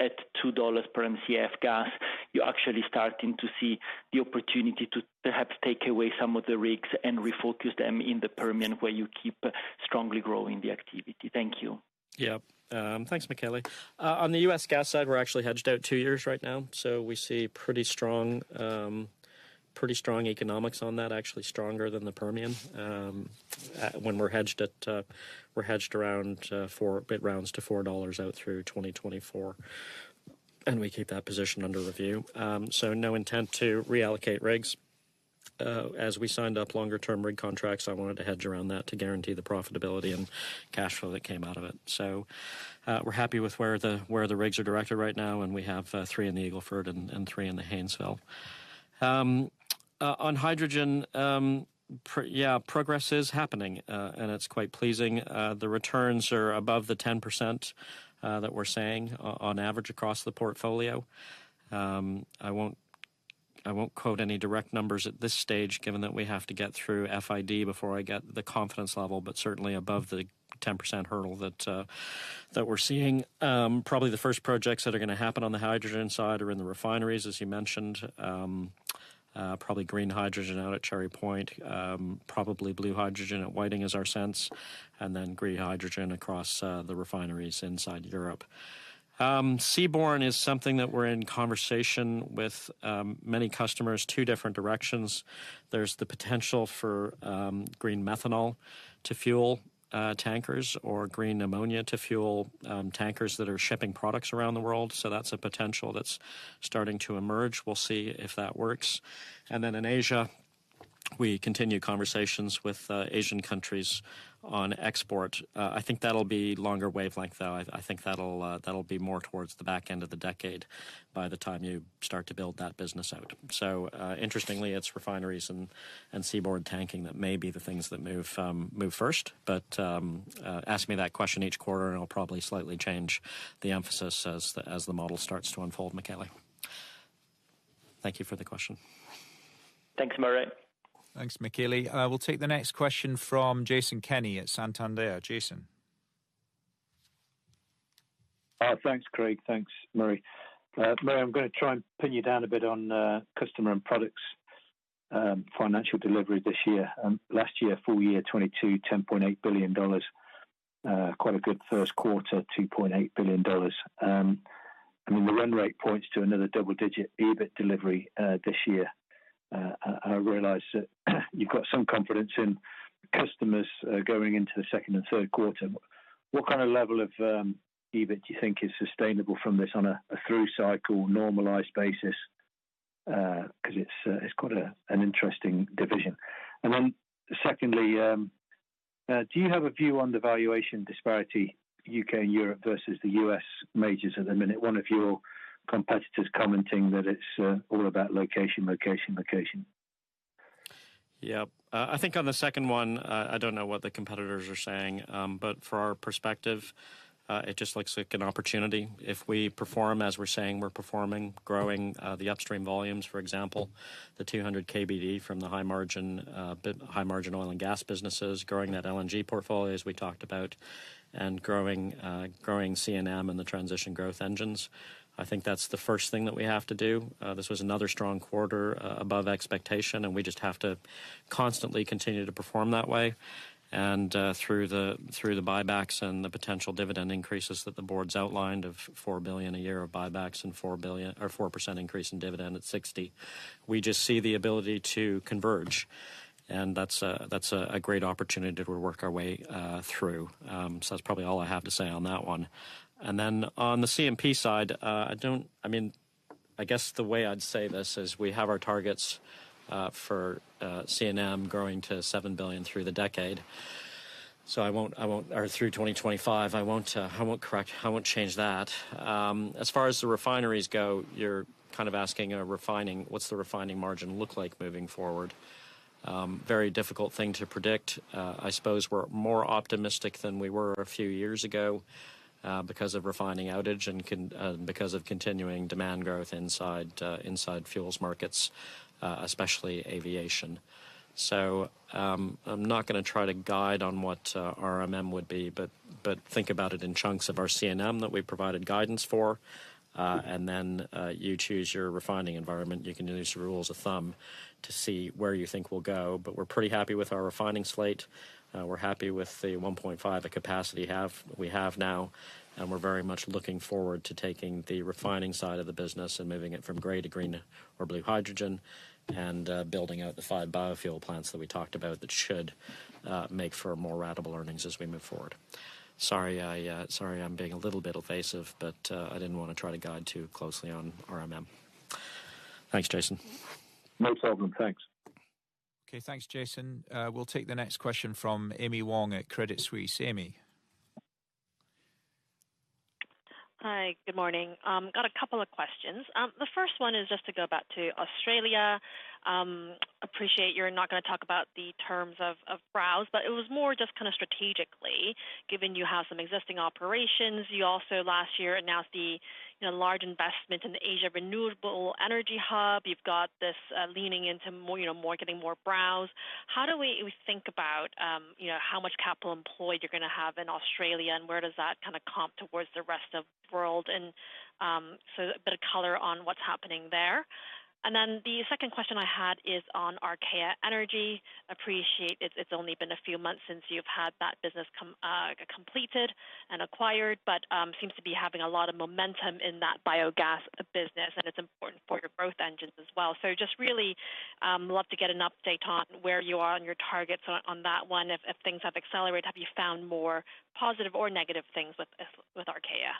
at $2 per MCF gas, you're actually starting to see the opportunity to perhaps take away some of the rigs and refocus them in the Permian, where you keep strongly growing the activity. Thank you. Yeah. Thanks, Michele. On the US gas side, we're actually hedged out two years right now, we see pretty strong economics on that, actually stronger than the Permian, when we're hedged at, we're hedged around four. It rounds to $4 out through 2024, and we keep that position under review. No intent to reallocate rigs. As we signed up longer-term rig contracts, I wanted to hedge around that to guarantee the profitability and cash flow that came out of it. We're happy with where the rigs are directed right now, and we have three in the Eagle Ford and three in the Haynesville. On hydrogen, yeah, progress is happening, and it's quite pleasing. The returns are above the 10%, that we're saying on average across the portfolio. I won't quote any direct numbers at this stage, given that we have to get through FID before I get the confidence level, but certainly above the 10% hurdle that we're seeing. Probably the first projects that are gonna happen on the hydrogen side are in the refineries, as you mentioned. Probably green hydrogen out at Cherry Point, probably blue hydrogen at Whiting is our sense, and then green hydrogen across the refineries inside Europe. Seaborne is something that we're in conversation with, many customers, two different directions. There's the potential for green methanol to fuel tankers or green ammonia to fuel tankers that are shipping products around the world, so that's a potential that's starting to emerge. We'll see if that works. In Asia, we continue conversations with Asian countries on export. I think that'll be longer wavelength, though. I think that'll be more towards the back end of the decade by the time you start to build that business out. Interestingly, it's refineries and seaborne tanking that may be the things that move first. Ask me that question each quarter, and I'll probably slightly change the emphasis as the model starts to unfold, Michele. Thank you for the question. Thanks, Murray. Thanks, Michele. We'll take the next question from Jason Kenney at Santander. Jason. Thanks, Craig. Thanks, Murray. Murray, I'm gonna try and pin you down a bit on customer and products, financial delivery this year. Last year, full year 2022, $10.8 billion. Quite a good first quarter, $2.8 billion. I mean, the run rate points to another double-digit EBIT delivery this year. I realize that you've got some confidence in customers going into the second and third quarter. What kind of level of EBIT do you think is sustainable from this on a through cycle normalized basis? 'cause it's quite an interesting division. Secondly, do you have a view on the valuation disparity U.K. and Europe versus the U.S. majors at the minute? One of your competitors commenting that it's all about location, location. Yeah. I think on the second one, I don't know what the competitors are saying. For our perspective, it just looks like an opportunity. If we perform as we're saying we're performing, growing the upstream volumes, for example, the 200 KBD from the high margin oil and gas businesses, growing that LNG portfolio as we talked about, growing CNM and the transition growth engines. I think that's the first thing that we have to do. This was another strong quarter, above expectation, we just have to constantly continue to perform that way. Through the buybacks and the potential dividend increases that the board's outlined of $4 billion a year of buybacks or 4% increase in dividend at 60, we just see the ability to converge. That's a great opportunity to work our way through. That's probably all I have to say on that one. Then on the C&P side, I mean, I guess the way I'd say this is we have our targets for CNM growing to $7 billion through the decade. I won't or through 2025. I won't change that. As far as the refineries go, you're kind of asking, refining, what's the refining margin look like moving forward? Very difficult thing to predict. I suppose we're more optimistic than we were a few years ago because of refining outage and because of continuing demand growth inside fuels markets, especially aviation. I'm not going to try to guide on what RMM would be, but think about it in chunks of our CNM that we provided guidance for, and then you choose your refining environment. You can use rules of thumb to see where you think we'll go. We're pretty happy with our refining slate. We're happy with the 1.5, the capacity we have now, and we're very much looking forward to taking the refining side of the business and moving it from gray to green or blue hydrogen, and building out the five biofuel plants that we talked about that should make for more ratable earnings as we move forward. Sorry, I'm being a little bit evasive, but I didn't want to try to guide too closely on RMM. Thanks, Jason. No problem. Thanks. Okay. Thanks, Jason. We'll take the next question from Amy Wong at Credit Suisse. Amy? Hi, good morning. Got a couple of questions. The first one is just to go back to Australia. Appreciate you're not gonna talk about the terms of Browse, but it was more just kinda strategically, given you have some existing operations. You also last year announced the, you know, large investment in the Asian Renewable Energy Hub. You've got this, leaning into more, you know, getting more Browse. How do we think about, you know, how much capital employed you're gonna have in Australia, and where does that kinda comp towards the rest of world? A bit of color on what's happening there. The second question I had is on Archaea Energy. Appreciate it's only been a few months since you've had that business completed and acquired, but seems to be having a lot of momentum in that biogas business, and it's important for your growth engines as well. Just really, love to get an update on where you are on your targets on that one. If things have accelerated, have you found more positive or negative things with Archaea?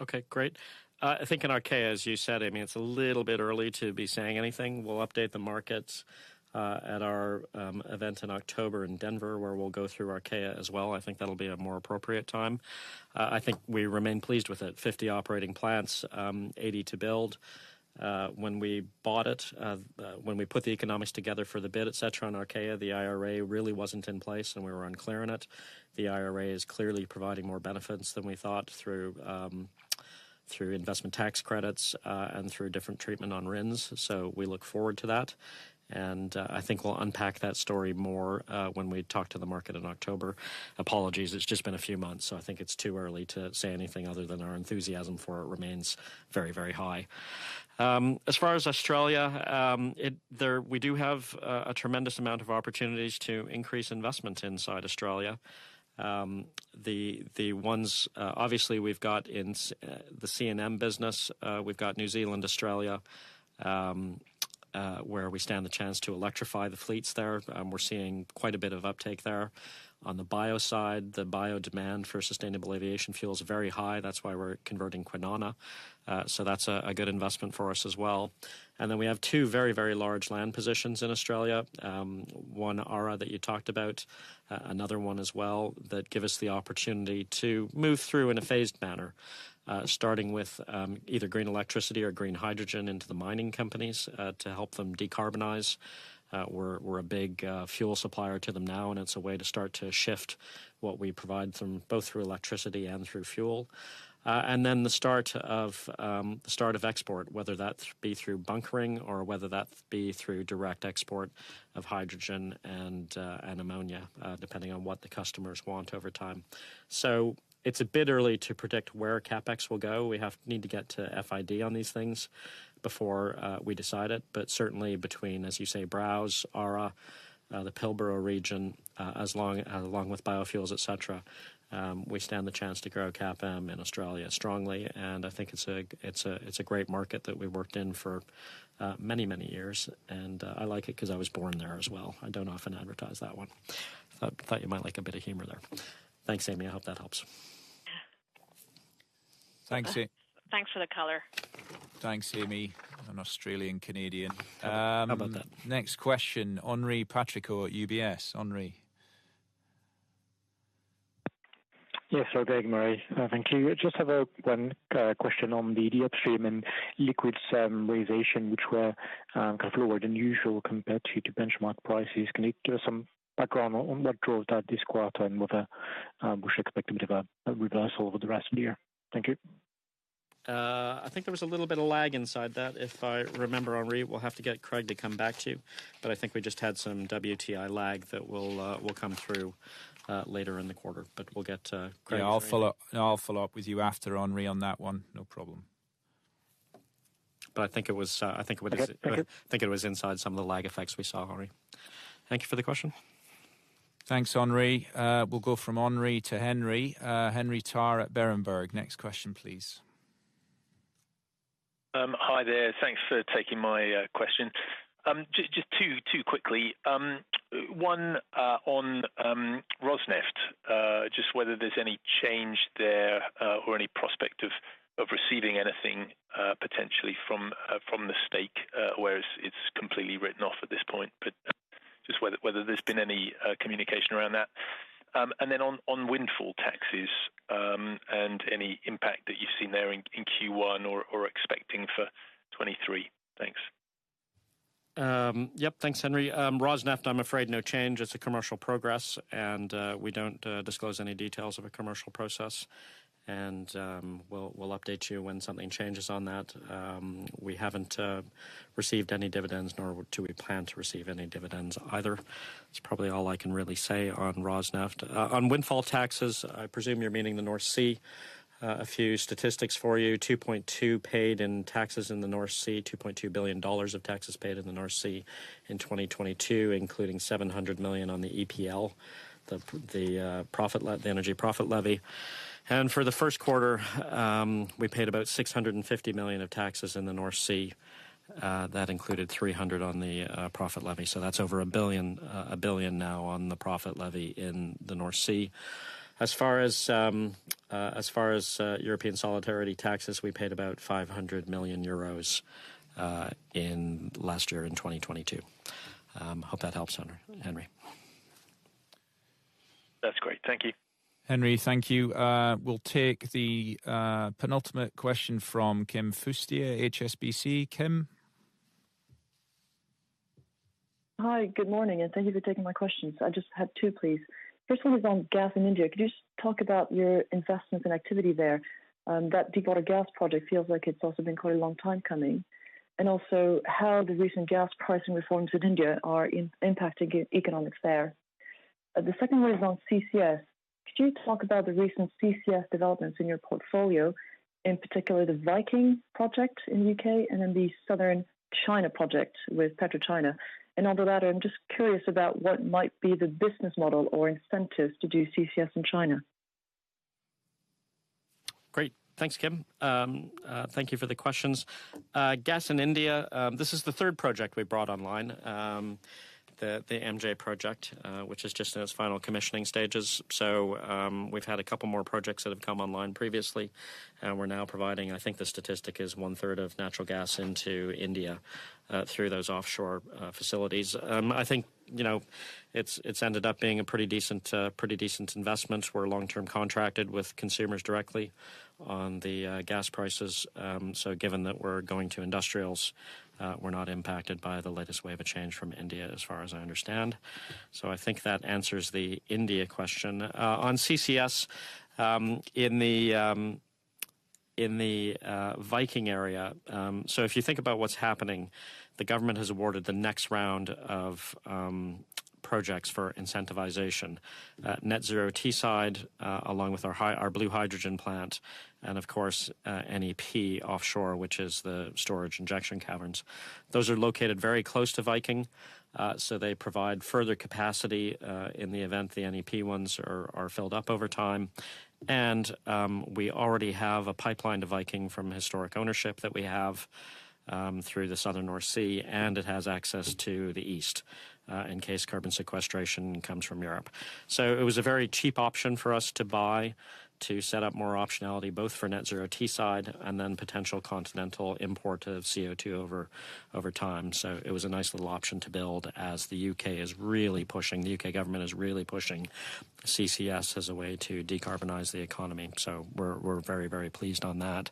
Okay, great. I think in Archaea, as you said, I mean, it's a little bit early to be saying anything. We'll update the markets at our event in October in Denver, where we'll go through Archaea as well. I think that'll be a more appropriate time. I think we remain pleased with it. 50 operating plants, 80 to build. When we bought it, when we put the economics together for the bid, et cetera, on Archaea, the IRA really wasn't in place, and we were unclear on it. The IRA is clearly providing more benefits than we thought through investment tax credits and through different treatment on RINs. We look forward to that. I think we'll unpack that story more when we talk to the market in October. Apologies, it's just been a few months, so I think it's too early to say anything other than our enthusiasm for it remains very high. As far as Australia, we do have a tremendous amount of opportunities to increase investment inside Australia. Obviously we've got the C&M business. We've got New Zealand, Australia, where we stand the chance to electrify the fleets there. We're seeing quite a bit of uptake there. On the bio side, the bio demand for sustainable aviation fuel is very high. That's why we're converting Kwinana. That's a good investment for us as well. We have two very large land positions in Australia. One AREH that you talked about. Another one as well that give us the opportunity to move through in a phased manner, starting with either green electricity or green hydrogen into the mining companies to help them decarbonize. We're a big fuel supplier to them now, and it's a way to start to shift what we provide from both through electricity and through fuel. The start of export, whether that be through bunkering or whether that be through direct export of hydrogen and ammonia, depending on what the customers want over time. It's a bit early to predict where CapEx will go. We need to get to FID on these things before we decide it. Certainly between, as you say, Browse, AREH, the Pilbara region, as long, along with biofuels, et cetera, we stand the chance to grow CapM in Australia strongly, and I think it's a great market that we worked in for, many, many years. I like it 'cause I was born there as well. I don't often advertise that one. Thought you might like a bit of humor there. Thanks, Amy. I hope that helps. Thanks. Thanks for the color. Thanks, Amy. An Australian-Canadian. How about that? next question, Henri Patricot at UBS. Henri? Yes. Hello. Good morning. Thank you. Just have one question on the upstream and liquids realization, which were kind of lower than usual compared to benchmark prices. Can you give some background on what drove that this quarter and whether we should expect a bit of a reversal over the rest of the year? Thank you. I think there was a little bit of lag inside that, if I remember, Henri. We'll have to get Craig to come back to you. I think we just had some WTI lag that will come through later in the quarter. We'll get Craig. Yeah, I'll follow up with you after, Henri, on that one. No problem. I think it was. Okay. Thank you. I think it was inside some of the lag effects we saw, Henri. Thank you for the question. Thanks, Henri. we'll go from Henri to Henry. Henry Tarr at Berenberg. Next question, please. Hi there. Thanks for taking my question. Just two quickly. One on Rosneft. Just whether there's any change there or any prospect of receiving anything potentially from the stake, whereas it's completely written off at this point. Just whether there's been any communication around that. Then on windfall taxes and any impact that you've seen there in Q1 or expecting for 2023. Thanks. Yep. Thanks, Henry. Rosneft, I'm afraid no change. It's a commercial progress. We don't disclose any details of a commercial process. We'll update you when something changes on that. We haven't received any dividends, nor do we plan to receive any dividends either. That's probably all I can really say on Rosneft. On windfall taxes, I presume you're meaning the North Sea. A few statistics for you. $2.2 paid in taxes in the North Sea. $2.2 billion of taxes paid in the North Sea in 2022, including $700 million on the EPL, the Energy Profits Levy. For the first quarter, we paid about $650 million of taxes in the North Sea. That included $300 million on the profit levy. That's over 1 billion now on the Profit Levy in the North Sea. As far as European Solidarity Contribution, we paid about 500 million euros in last year in 2022. hope that helps Henry. That's great. Thank you. Henry, thank you. We'll take the penultimate question from Kim Fustier, HSBC. Kim. Hi. Good morning. Thank you for taking my questions. I just have two, please. First one is on gas in India. Could you just talk about your investments and activity there? That Deepwater gas project feels like it's also been quite a long time coming. Also, how the recent gas pricing reforms in India are impacting economics there. The second one is on CCS. Could you talk about the recent CCS developments in your portfolio, in particular the Viking project in The U.K. and then the Southern China project with PetroChina? On the latter, I'm just curious about what might be the business model or incentives to do CCS in China. Great. Thanks, Kim. Thank you for the questions. Gas in India, this is the third project we brought online, the MJ project, which is just in its final commissioning stages. We've had a couple more projects that have come online previously, and we're now providing, I think the statistic is one-third of natural gas into India through those offshore facilities. I think, you know, it's ended up being a pretty decent investment. We're long-term contracted with consumers directly on the gas prices. Given that we're going to industrials, we're not impacted by the latest wave of change from India as far as I understand. I think that answers the India question. On CCS, in the Viking area, if you think about what's happening, the government has awarded the next round of projects for incentivization. Net Zero Teesside, along with our blue hydrogen plant and of course, NEP offshore, which is the storage injection caverns. Those are located very close to Viking, so they provide further capacity in the event the NEP ones are filled up over time. We already have a pipeline to Viking from historic ownership that we have through the southern North Sea, and it has access to the east in case carbon sequestration comes from Europe. It was a very cheap option for us to buy to set up more optionality, both for Net Zero Teesside and then potential continental import of CO2 over time. It was a nice little option to build as The U.K. is really pushing, The U.K. government is really pushing CCS as a way to decarbonize the economy. We're very, very pleased on that.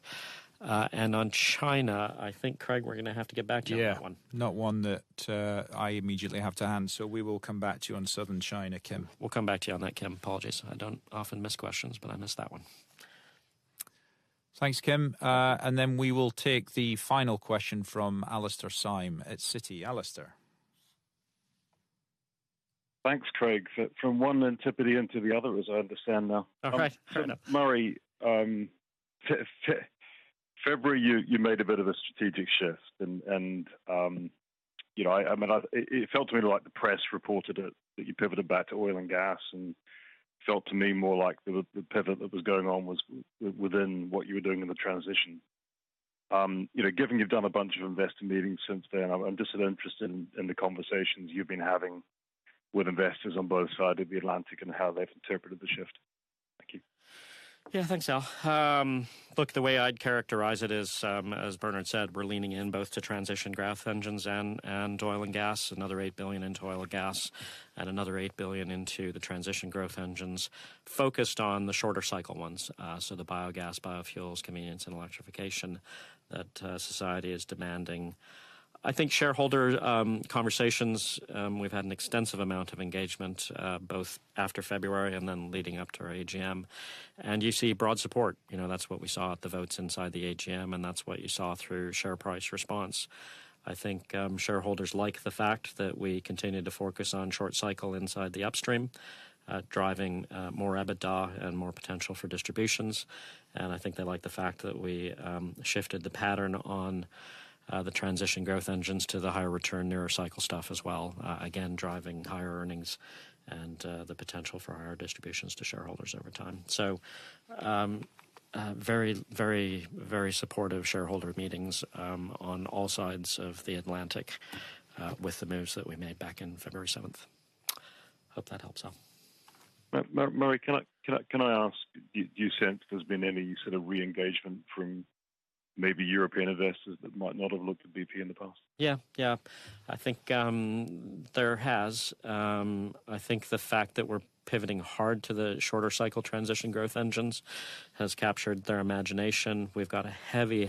On China, I think, Craig, we're gonna have to get back to you on that one. Not one that I immediately have to hand, so we will come back to you on Southern China, Kim. We'll come back to you on that, Kim. Apologies. I don't often miss questions, but I missed that one. Thanks, Kim Fustier. We will take the final question from Alastair Syme at Citi. Alastair. Thanks, Craig. From one antipode into the other, as I understand now. All right. Fair enough. Murray, February, you made a bit of a strategic shift and, you know, I mean, It felt to me like the press reported it, that you pivoted back to oil and gas, and felt to me more like the pivot that was going on was within what you were doing in the transition. You know, given you've done a bunch of investor meetings since then, I'm just interested in the conversations you've been having with investors on both sides of the Atlantic and how they've interpreted the shift. Thank you. Yeah. Thanks, Al. Look, the way I'd characterize it is, as Bernard said, we're leaning in both to transition growth engines and oil and gas, another $8 billion into oil and gas and another $8 billion into the transition growth engines focused on the shorter cycle ones, so the biogas, biofuels, convenience and electrification that society is demanding. I think shareholder conversations, we've had an extensive amount of engagement, both after February and then leading up to our AGM, and you see broad support. You know, that's what we saw at the votes inside the AGM, and that's what you saw through share price response. I think shareholders like the fact that we continue to focus on short cycle inside the upstream, driving more EBITDA and more potential for distributions. I think they like the fact that we shifted the pattern on the transition growth engines to the higher return nearer cycle stuff as well, again, driving higher earnings and the potential for higher distributions to shareholders over time. Very, very, very supportive shareholder meetings on all sides of the Atlantic, with the moves that we made back in February 7th. Hope that helps, Al. Murray, can I ask, do you sense there's been any sort of re-engagement from maybe European investors that might not have looked at BP in the past? Yeah. Yeah. I think, there has. I think the fact that we're pivoting hard to the shorter cycle transition growth engines has captured their imagination. We've got a heavy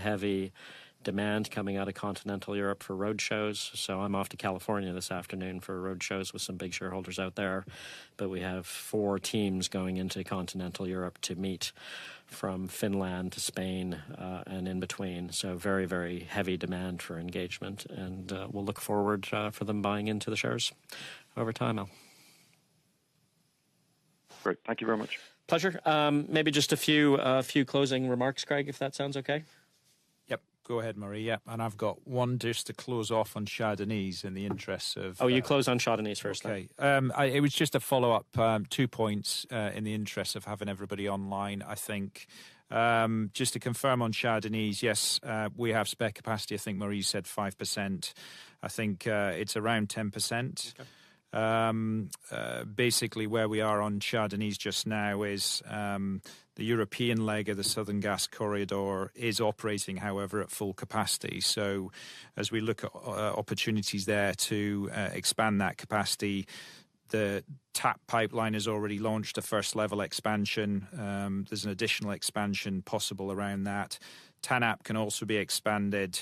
demand coming out of continental Europe for roadshows. I'm off to California this afternoon for roadshows with some big shareholders out there. We have four teams going into continental Europe to meet from Finland to Spain, and in between. Very heavy demand for engagement, and we'll look forward for them buying into the shares over time, Al. Great. Thank you very much. Pleasure. Maybe just a few closing remarks, Craig, if that sounds okay. Yep. Go ahead, Murray. Yep, I've got one just to close off on Shah Deniz in the interest of. You close on Shah Deniz first then. Okay. It was just a follow-up. Two points, in the interest of having everybody online, I think. Just to confirm on Shah Deniz, yes, we have spare capacity. I think Murray said 5%. I think, it's around 10%. Okay. basically where we are on Shah Deniz just now is, the European leg of the Southern Gas Corridor is operating however at full capacity. As we look at opportunities there to expand that capacity, the TAP pipeline has already launched a first level expansion. There's an additional expansion possible around that. TANAP can also be expanded,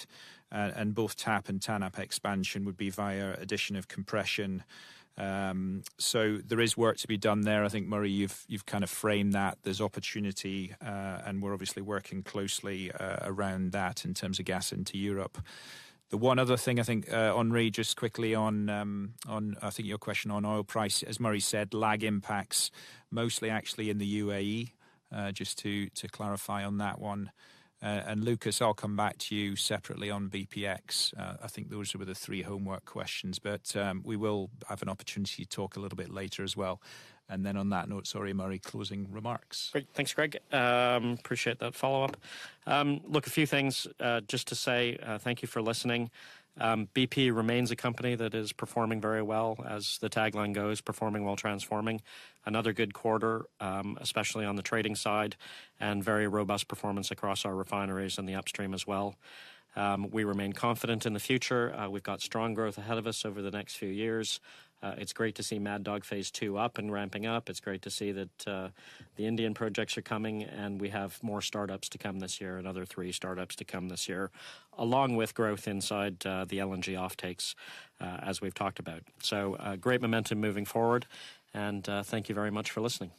and both TAP and TANAP expansion would be via addition of compression. There is work to be done there. I think, Murray, you've kind of framed that. There's opportunity, and we're obviously working closely around that in terms of gas into Europe. The one other thing I think, Henri, just quickly on on I think your question on oil price. As Murray said, lag impacts mostly actually in the UAE, just to clarify on that one. Lucas, I'll come back to you separately on BPX. I think those were the three homework questions, but we will have an opportunity to talk a little bit later as well. On that note, sorry, Murray, closing remarks. Great. Thanks, Craig. Appreciate that follow-up. Look, a few things, just to say, thank you for listening. BP remains a company that is performing very well, as the tagline goes, performing while transforming. Another good quarter, especially on the trading side, and very robust performance across our refineries and the upstream as well. We remain confident in the future. We've got strong growth ahead of us over the next few years. It's great to see Mad Dog Phase 2 up and ramping up. It's great to see that, the Indian projects are coming, and we have more start-ups to come this year. Another 3 start-ups to come this year, along with growth inside, the LNG offtakes, as we've talked about. Great momentum moving forward, and, thank you very much for listening.